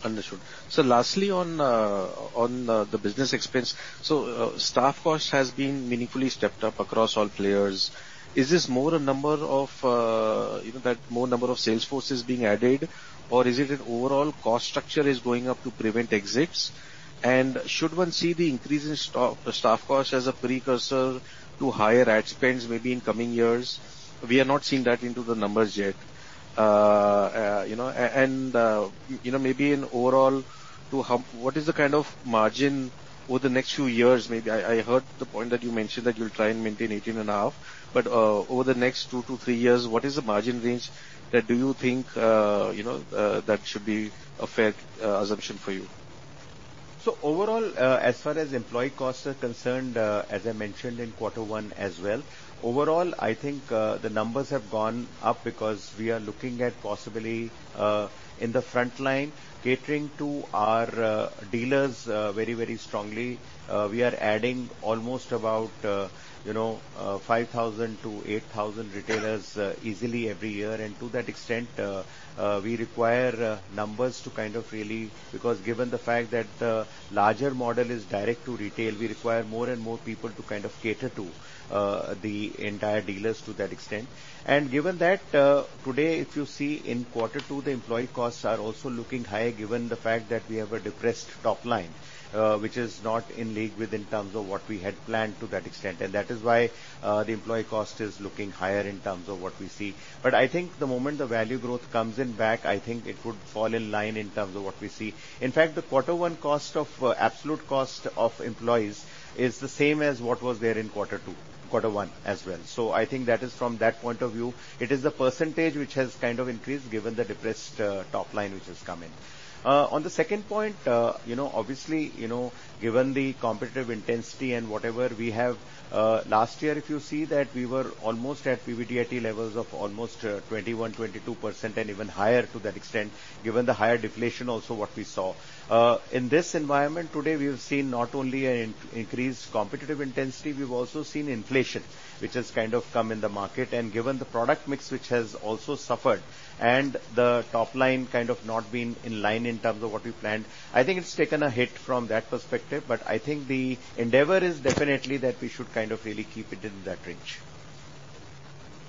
Understood. So lastly, on the business expense, so staff cost has been meaningfully stepped up across all players. Is this more a matter of adding more number of sales forces being added, or is it an overall cost structure going up to prevent exits? And should one see the increase in staff cost as a precursor to higher ad spends maybe in coming years? We are not seeing that in the numbers yet. And maybe in overall, what is the kind of margin over the next few years? Maybe I heard the point that you mentioned that you'll try and maintain 18.5%. But over the next two to three years, what is the margin range that you think that should be a fair assumption for you? So overall, as far as employee costs are concerned, as I mentioned in quarter one as well, overall, I think the numbers have gone up because we are looking at possibly in the front line catering to our dealers very, very strongly. We are adding almost about 5,000-8,000 retailers easily every year. And to that extent, we require numbers to kind of really because given the fact that the larger model is direct to retail, we require more and more people to kind of cater to the entire dealers to that extent. And given that, today, if you see in quarter two, the employee costs are also looking high given the fact that we have a depressed top line which is not in league with in terms of what we had planned to that extent. And that is why the employee cost is looking higher in terms of what we see. But I think the moment the value growth comes in back, I think it would fall in line in terms of what we see. In fact, the quarter one cost of absolute cost of employees is the same as what was there in quarter two, quarter one as well. So I think that is from that point of view, it is the percentage which has kind of increased given the depressed top line which has come in. On the second point, obviously, given the competitive intensity and whatever we have last year, if you see that we were almost at PBIT levels of almost 21%, 22%, and even higher to that extent given the higher deflation also what we saw. In this environment today, we have seen not only an increased competitive intensity, we've also seen inflation which has kind of come in the market, and given the product mix which has also suffered and the top line kind of not been in line in terms of what we planned, I think it's taken a hit from that perspective, but I think the endeavor is definitely that we should kind of really keep it in that range.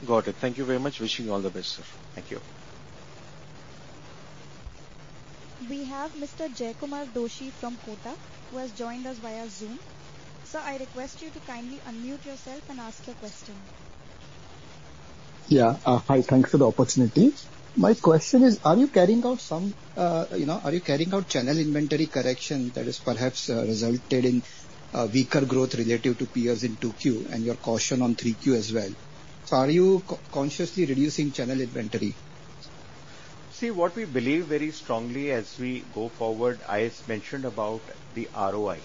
Got it. Thank you very much. Wishing you all the best, sir. Thank you. We have Mr. Jaykumar Doshi from Kotak who has joined us via Zoom. Sir, I request you to kindly unmute yourself and ask your question. Yeah. Hi. Thanks for the opportunity. My question is, are you carrying out channel inventory correction that has perhaps resulted in weaker growth relative to peers in 2Q and your caution on 3Q as well? So are you consciously reducing channel inventory? See, what we believe very strongly as we go forward, I mentioned about the ROI.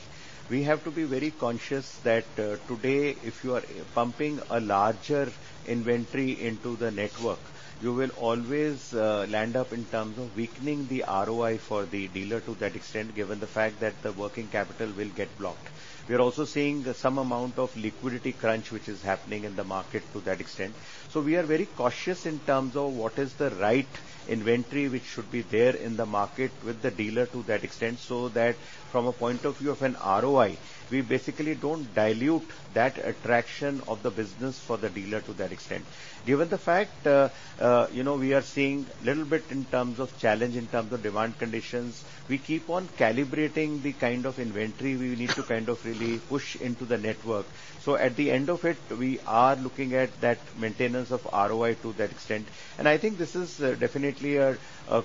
We have to be very conscious that today, if you are pumping a larger inventory into the network, you will always land up in terms of weakening the ROI for the dealer to that extent given the fact that the working capital will get blocked. We are also seeing some amount of liquidity crunch which is happening in the market to that extent. So we are very cautious in terms of what is the right inventory which should be there in the market with the dealer to that extent so that from a point of view of an ROI, we basically don't dilute that attraction of the business for the dealer to that extent. Given the fact we are seeing a little bit in terms of challenge in terms of demand conditions, we keep on calibrating the kind of inventory we need to kind of really push into the network. So at the end of it, we are looking at that maintenance of ROI to that extent. And I think this is definitely a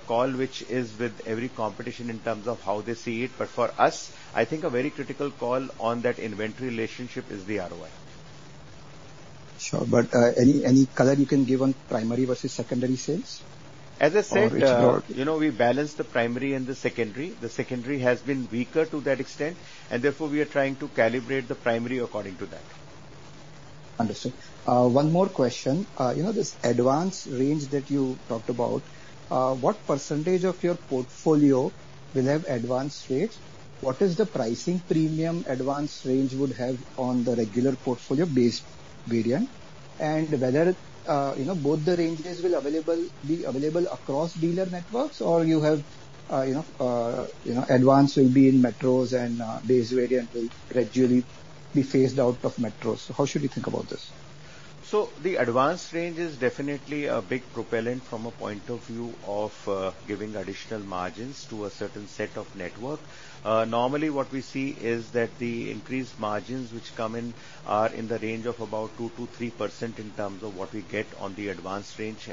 call which is with every competition in terms of how they see it. But for us, I think a very critical call on that inventory relationship is the ROI. Sure. But any color you can give on primary versus secondary sales? As I said, we balance the primary and the secondary. The secondary has been weaker to that extent, and therefore we are trying to calibrate the primary according to that. Understood. One more question. This Advance range that you talked about, what percentage of your portfolio will have advance rates? What is the pricing premium Advanced range would have on the regular portfolio based variant? And whether both the ranges will be available across dealer networks or you have advance will be in metros and base variant will gradually be phased out of metros? So how should we think about this? So the Advanced range is definitely a big propellant from a point of view of giving additional margins to a certain set of network. Normally, what we see is that the increased margins which come in are in the range of about 2%-3% in terms of what we get on the Advanced range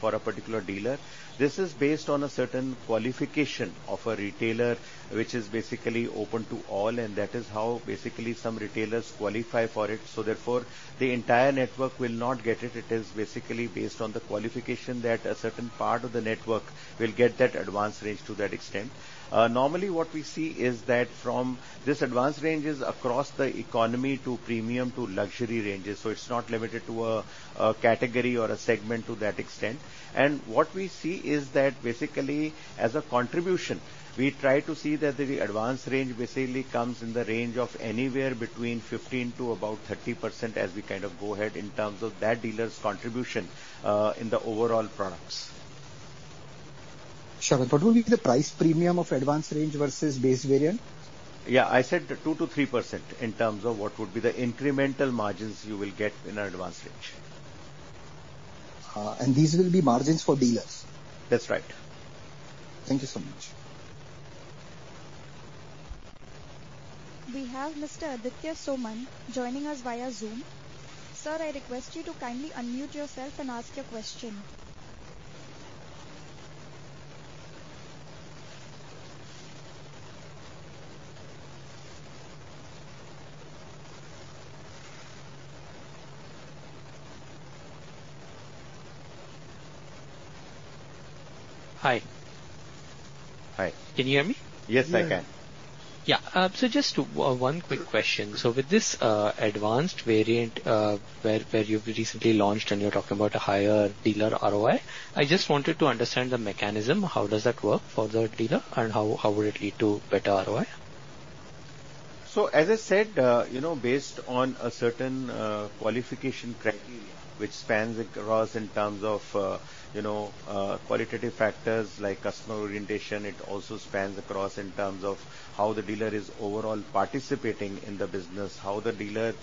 for a particular dealer. This is based on a certain qualification of a retailer which is basically open to all, and that is how basically some retailers qualify for it. So therefore, the entire network will not get it. It is basically based on the qualification that a certain part of the network will get that Advanced range to that extent. Normally, what we see is that from this Advanced ranges across the economy to premium to luxury ranges. So it's not limited to a category or a segment to that extent. And what we see is that basically as a contribution, we try to see that the Advanced range basically comes in the range of anywhere between 15% to about 30% as we kind of go ahead in terms of that dealer's contribution in the overall products. Sure. But what would be the price premium of Advanced range versus base variant? Yeah. I said 2%-3% in terms of what would be the incremental margins you will get in an Advanced range. And these will be margins for dealers? That's right. Thank you so much. We have Mr. Aditya Soman joining us via Zoom. Sir, I request you to kindly unmute yourself and ask your question. Hi. Hi. Can you hear me? Yes, I can. Yeah. So just one quick question. So with this advanced variant where you've recently launched and you're talking about a higher dealer ROI, I just wanted to understand the mechanism. How does that work for the dealer and how would it lead to better ROI? So as I said, based on a certain qualification criteria which spans across in terms of qualitative factors like customer orientation, it also spans across in terms of how the dealer is overall participating in the business, how the dealer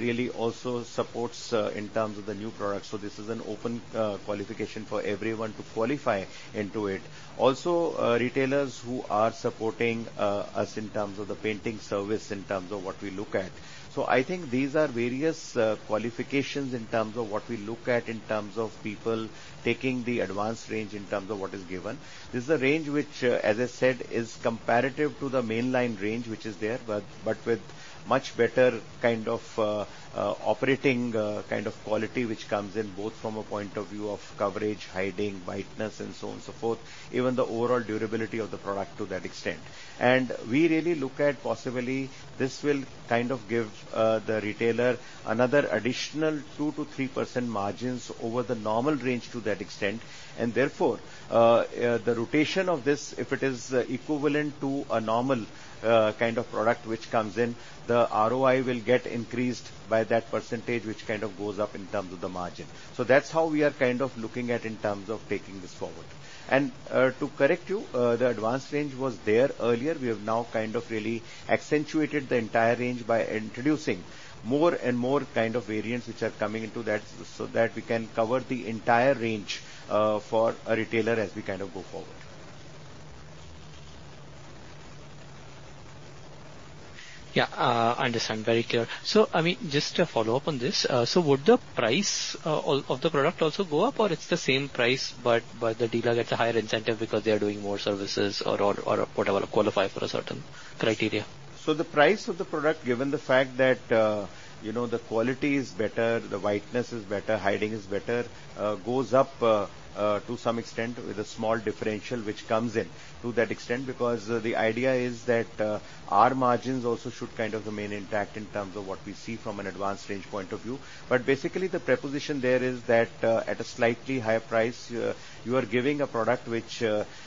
really also supports in terms of the new products. So this is an open qualification for everyone to qualify into it. Also, retailers who are supporting us in terms of the painting service in terms of what we look at. So I think these are various qualifications in terms of what we look at in terms of people taking the Advanced range in terms of what is given. This is a range which, as I said, is comparative to the mainline range which is there, but with much better kind of operating kind of quality which comes in both from a point of view of coverage, hiding, whiteness, and so on and so forth, even the overall durability of the product to that extent. And we really look at possibly this will kind of give the retailer another additional 2%-3% margins over the normal range to that extent. And therefore, the rotation of this, if it is equivalent to a normal kind of product which comes in, the ROI will get increased by that percentage which kind of goes up in terms of the margin. So that's how we are kind of looking at in terms of taking this forward. And to correct you, the Advanced range was there earlier. We have now kind of really accentuated the entire range by introducing more and more kind of variants which are coming into that so that we can cover the entire range for a retailer as we kind of go forward. Yeah. Understand. Very clear. So I mean, just to follow up on this, so would the price of the product also go up or it's the same price, but the dealer gets a higher incentive because they are doing more services or whatever qualify for a certain criteria? So the price of the product, given the fact that the quality is better, the whiteness is better, hiding is better, goes up to some extent with a small differential which comes in to that extent because the idea is that our margins also should kind of remain intact in terms of what we see from an advanced range point of view. But basically, the proposition there is that at a slightly higher price, you are giving a product which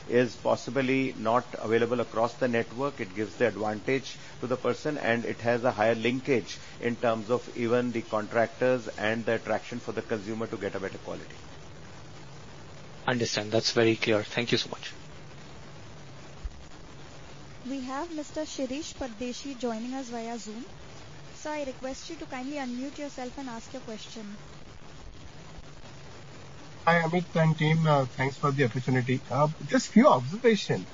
is possibly not available across the network. It gives the advantage to the person, and it has a higher linkage in terms of even the contractors and the attraction for the consumer to get a better quality. Understand. That's very clear. Thank you so much. We have Mr. Shirish Pardeshi joining us via Zoom. Sir, I request you to kindly unmute yourself and ask your question. Hi, Amit and team. Thanks for the opportunity. Just a few observations.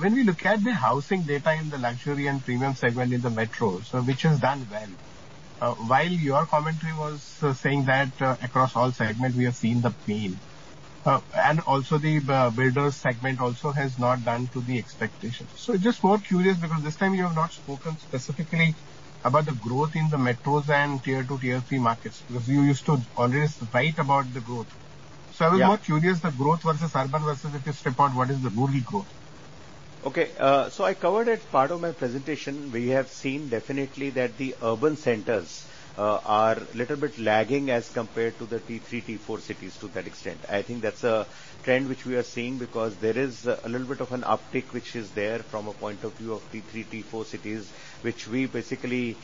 When we look at the housing data in the luxury and premium segment in the metros, which has done well, while your commentary was saying that across all segments, we have seen the pain. And also, the builders segment also has not done to the expectations. So just more curious because this time you have not spoken specifically about the growth in the metros and tier two, tier three markets because you used to always write about the growth. So I was more curious the growth versus urban versus if you step out, what is the rural growth? Okay. So I covered it part of my presentation. We have seen definitely that the urban centers are a little bit lagging as compared to the tier three, tier four cities to that extent. I think that's a trend which we are seeing because there is a little bit of an uptick which is there from a point of view of tier three, tier four cities, which we basically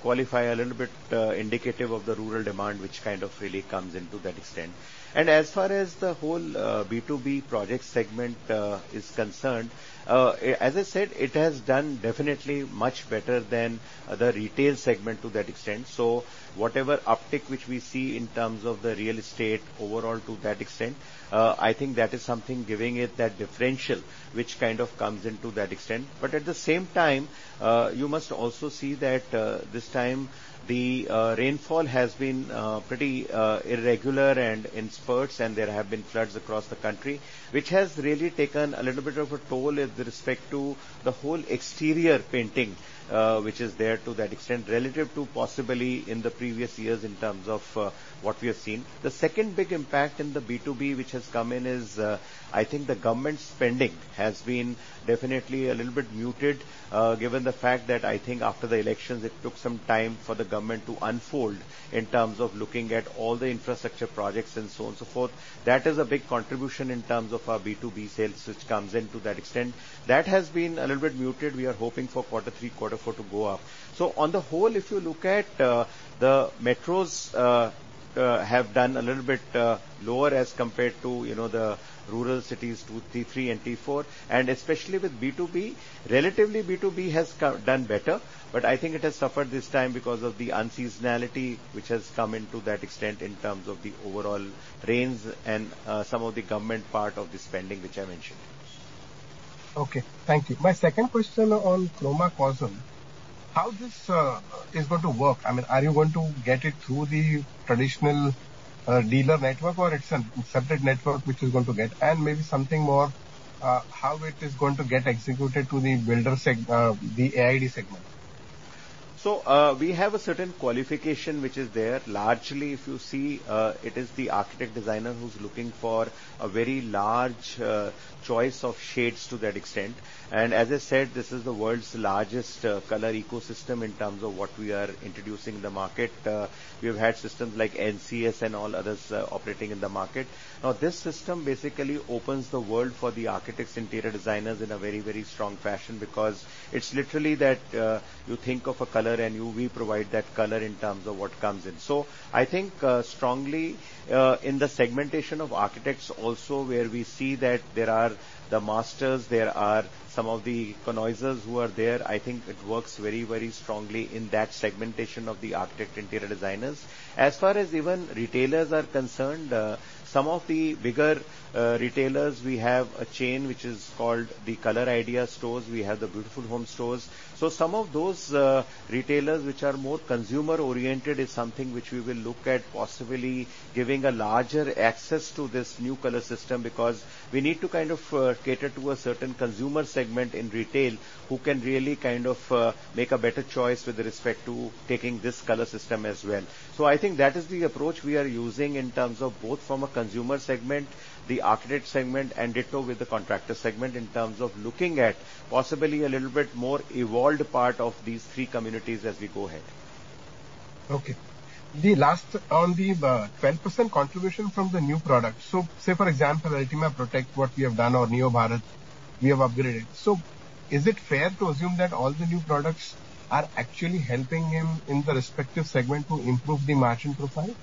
qualify a little bit indicative of the rural demand which kind of really comes into that extent. And as far as the whole B2B project segment is concerned, as I said, it has done definitely much better than the retail segment to that extent. So whatever uptick which we see in terms of the real estate overall to that extent, I think that is something giving it that differential which kind of comes into that extent. But at the same time, you must also see that this time the rainfall has been pretty irregular and in spurts, and there have been floods across the country, which has really taken a little bit of a toll with respect to the whole exterior painting which is there to that extent relative to possibly in the previous years in terms of what we have seen. The second big impact in the B2B which has come in is I think the government spending has been definitely a little bit muted given the fact that I think after the elections, it took some time for the government to unfold in terms of looking at all the infrastructure projects and so on and so forth. That is a big contribution in terms of our B2B sales which comes into that extent. That has been a little bit muted. We are hoping for quarter three, quarter four to go up. So on the whole, if you look at the metros, have done a little bit lower as compared to the rural cities tier three and tier four. And especially with B2B, relatively B2B has done better, but I think it has suffered this time because of the unseasonality which has come into that extent in terms of the overall range and some of the government part of the spending which I mentioned. Okay. Thank you. My second question on Chromacosm, how this is going to work? I mean, are you going to get it through the traditional dealer network or it's a separate network which is going to get and maybe something more how it is going to get executed to the A&D segment? So we have a certain qualification which is there. Largely, if you see, it is the architect designer who's looking for a very large choice of shades to that extent. And as I said, this is the world's largest color ecosystem in terms of what we are introducing in the market. We have had systems like NCS and all others operating in the market. Now, this system basically opens the world for the architects and interior designers in a very, very strong fashion because it's literally that you think of a color and we provide that color in terms of what comes in. So I think strongly in the segmentation of architects also where we see that there are the masters, there are some of the economizers who are there. I think it works very, very strongly in that segmentation of the architect interior designers. As far as even retailers are concerned, some of the bigger retailers, we have a chain which is called the Colour Idea Stores. We have the Beautiful Homes stores. Some of those retailers which are more consumer-oriented is something which we will look at possibly giving a larger access to this new color system because we need to kind of cater to a certain consumer segment in retail who can really kind of make a better choice with respect to taking this color system as well. So I think that is the approach we are using in terms of both from a consumer segment, the architect segment, and it too with the contractor segment in terms of looking at possibly a little bit more evolved part of these three communities as we go ahead. Okay. The last on the 12% contribution from the new product. So say, for example, Ultima Protek, what we have done or NeoBharat, we have upgraded. So, is it fair to assume that all the new products are actually helping him in the respective segment to improve the margin profile?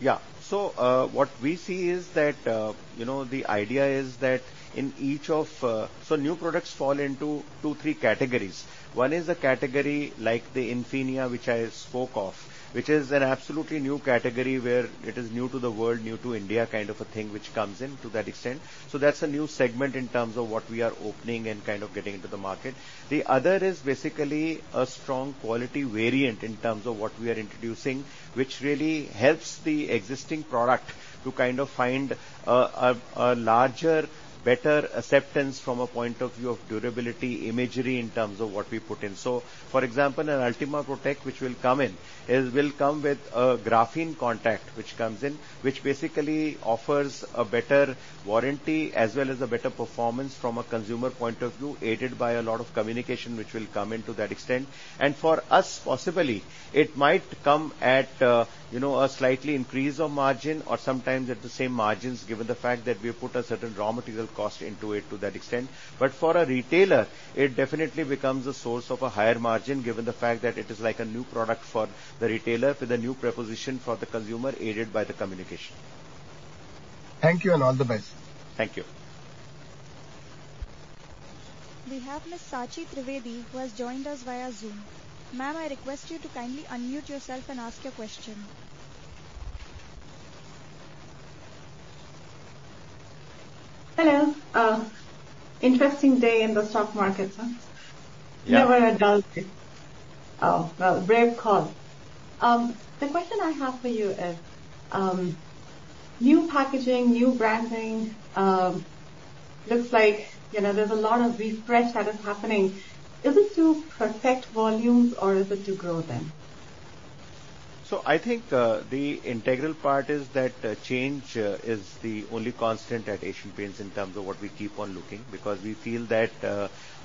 Yeah. So, what we see is that the idea is that in each of so new products fall into two, three categories. One is a category like the Infinia, which I spoke of, which is an absolutely new category where it is new to the world, new to India kind of a thing which comes in to that extent. So, that's a new segment in terms of what we are opening and kind of getting into the market. The other is basically a strong quality variant in terms of what we are introducing, which really helps the existing product to kind of find a larger, better acceptance from a point of view of durability, imagery in terms of what we put in. So for example, an Ultima Protek which will come in will come with a graphene coat which comes in, which basically offers a better warranty as well as a better performance from a consumer point of view, aided by a lot of communication which will come into that extent. And for us, possibly, it might come at a slightly increase of margin or sometimes at the same margins given the fact that we have put a certain raw material cost into it to that extent. But for a retailer, it definitely becomes a source of a higher margin given the fact that it is like a new product for the retailer with a new proposition for the consumer aided by the communication. Thank you and all the best. Thank you. We have Ms. Sachi Trivedi who has joined us via Zoom. Ma'am, I request you to kindly unmute yourself and ask your question. Hello. Interesting day in the stock market. Never had done this. Oh, well, brave call. The question I have for you is new packaging, new branding. Looks like there's a lot of refresh that is happening. Is it to protect volumes or is it to grow them? I think the integral part is that change is the only constant at Asian Paints in terms of what we keep on looking because we feel that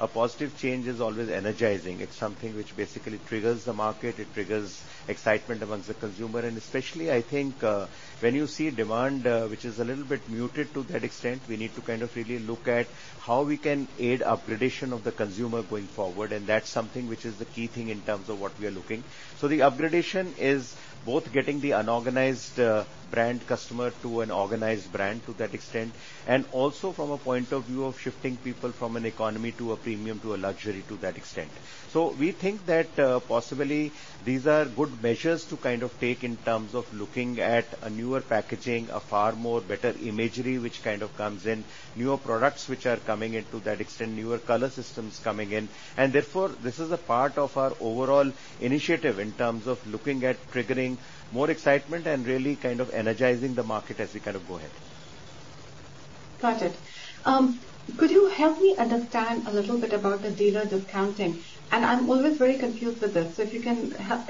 a positive change is always energizing. It's something which basically triggers the market. It triggers excitement amongst the consumer. And especially, I think when you see demand which is a little bit muted to that extent, we need to kind of really look at how we can aid upgradation of the consumer going forward. That's something which is the key thing in terms of what we are looking. The upgradation is both getting the unorganized brand customer to an organized brand to that extent, and also from a point of view of shifting people from an economy to a premium to a luxury to that extent. We think that possibly these are good measures to kind of take in terms of looking at a newer packaging, a far more better imagery which kind of comes in, newer products which are coming into that extent, newer color systems coming in. Therefore, this is a part of our overall initiative in terms of looking at triggering more excitement and really kind of energizing the market as we kind of go ahead. Got it. Could you help me understand a little bit about the dealer discounting? I'm always very confused with this. So if you can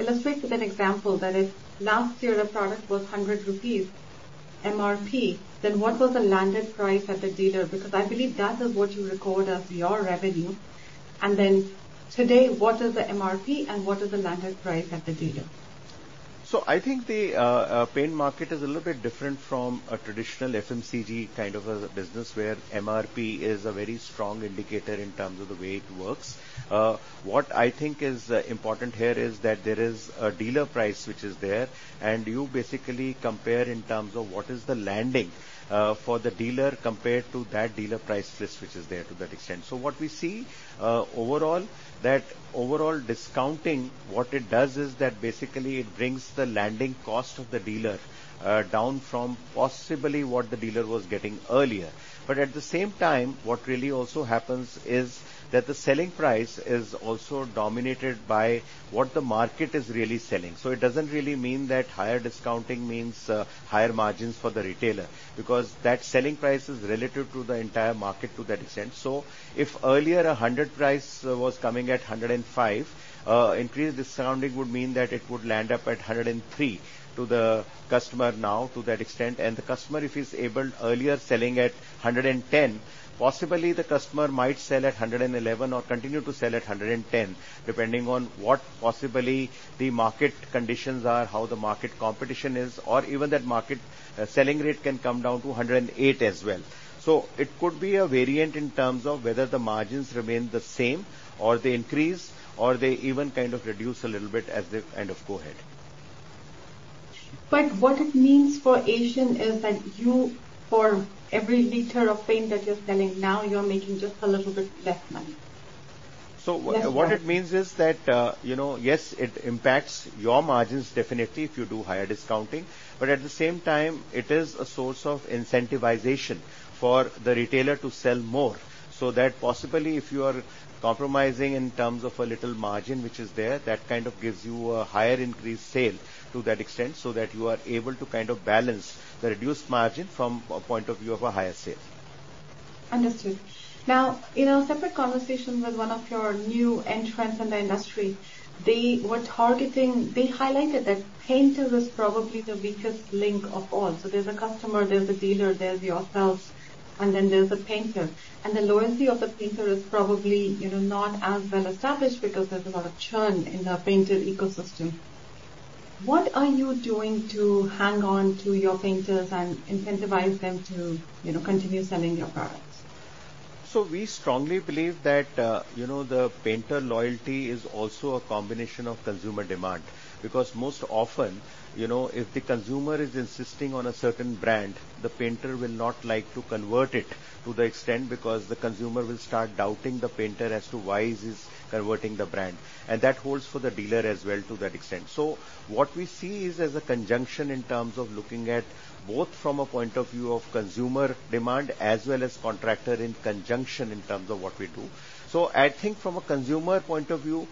illustrate with an example that if last year a product was 100 rupees MRP, then what was the landed price at the dealer? Because I believe that is what you record as your revenue. And then today, what is the MRP and what is the landed price at the dealer? So I think the paint market is a little bit different from a traditional FMCG kind of a business where MRP is a very strong indicator in terms of the way it works. What I think is important here is that there is a dealer price which is there, and you basically compare in terms of what is the landed for the dealer compared to that dealer price list which is there to that extent. So what we see overall, that overall discounting, what it does is that basically it brings the landing cost of the dealer down from possibly what the dealer was getting earlier. But at the same time, what really also happens is that the selling price is also dominated by what the market is really selling. So it doesn't really mean that higher discounting means higher margins for the retailer because that selling price is relative to the entire market to that extent. So if earlier a 100 price was coming at 105, increased discounting would mean that it would land up at 103 to the customer now to that extent. The customer, if he's able earlier selling at 110, possibly the customer might sell at 111 or continue to sell at 110, depending on what possibly the market conditions are, how the market competition is, or even that market selling rate can come down to 108 as well. It could be a variant in terms of whether the margins remain the same or they increase or they even kind of reduce a little bit as they kind of go ahead. But what it means for Asian is that you, for every liter of paint that you're selling now, you're making just a little bit less money. What it means is that, yes, it impacts your margins definitely if you do higher discounting. But at the same time, it is a source of incentivization for the retailer to sell more. So that possibly if you are compromising in terms of a little margin which is there, that kind of gives you a higher increased sale to that extent so that you are able to kind of balance the reduced margin from a point of view of a higher sale. Understood. Now, in our separate conversation with one of your new entrants in the industry, they were targeting, they highlighted that painter is probably the weakest link of all. So there's a customer, there's a dealer, there's yourselves, and then there's a painter. And the loyalty of the painter is probably not as well established because there's a lot of churn in the painter ecosystem. What are you doing to hang on to your painters and incentivize them to continue selling your products? So we strongly believe that the painter loyalty is also a combination of consumer demand because most often, if the consumer is insisting on a certain brand, the painter will not like to convert it to the extent because the consumer will start doubting the painter as to why he's converting the brand. And that holds for the dealer as well to that extent. So what we see is as a conjunction in terms of looking at both from a point of view of consumer demand as well as contractor in conjunction in terms of what we do. So I think from a consumer point of view,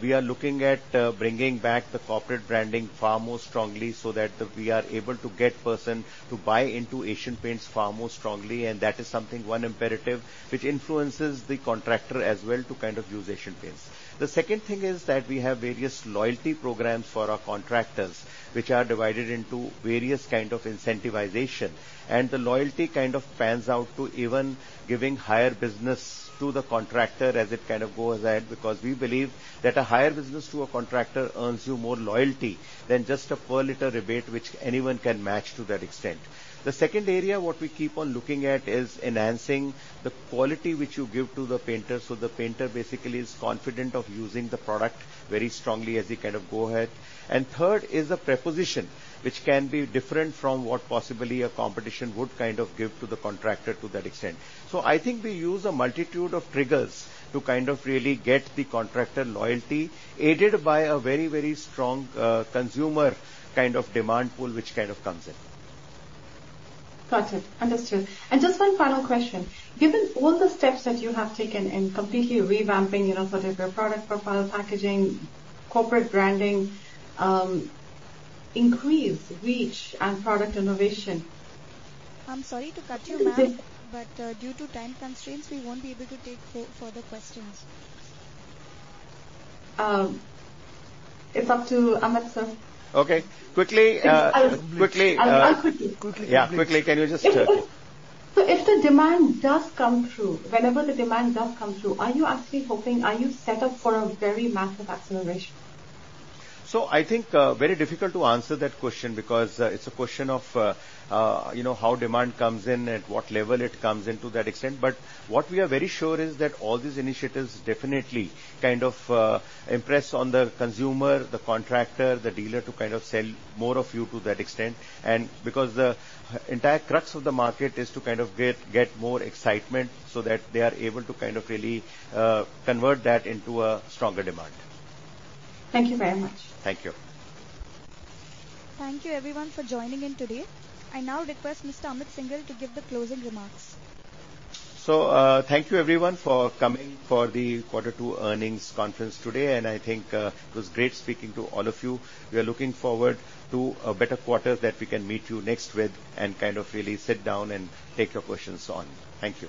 we are looking at bringing back the corporate branding far more strongly so that we are able to get a person to buy into Asian Paints far more strongly. That is something, one imperative which influences the contractor as well to kind of use Asian Paints. The second thing is that we have various loyalty programs for our contractors which are divided into various kind of incentivization. And the loyalty kind of pans out to even giving higher business to the contractor as it kind of goes ahead because we believe that a higher business to a contractor earns you more loyalty than just a per-liter rebate which anyone can match to that extent. The second area what we keep on looking at is enhancing the quality which you give to the painter so the painter basically is confident of using the product very strongly as he kind of go ahead. And third is a proposition which can be different from what possibly a competition would kind of give to the contractor to that extent. So I think we use a multitude of triggers to kind of really get the contractor loyalty aided by a very, very strong consumer kind of demand pool which kind of comes in. Got it. Understood. And just one final question. Given all the steps that you have taken in completely revamping sort of your product profile, packaging, corporate branding, increase, reach, and product innovation. I'm sorry to cut you, ma'am, but due to time constraints, we won't be able to take further questions. It's up to Amit sir. Okay. Quickly. Quickly. Yeah. Quickly, can you just? So if the demand does come through, whenever the demand does come through, are you actually hoping are you set up for a very massive acceleration? So I think very difficult to answer that question because it's a question of how demand comes in and what level it comes into that extent. But what we are very sure is that all these initiatives definitely kind of impress on the consumer, the contractor, the dealer to kind of sell more of you to that extent. And because the entire crux of the market is to kind of get more excitement so that they are able to kind of really convert that into a stronger demand. Thank you very much. Thank you. Thank you, everyone, for joining in today. I now request Mr. Amit Syngle to give the closing remarks. So thank you, everyone, for coming for the Quarter Two Earnings Conference today. And I think it was great speaking to all of you. We are looking forward to a better quarter that we can meet you next with and kind of really sit down and take your questions on. Thank you.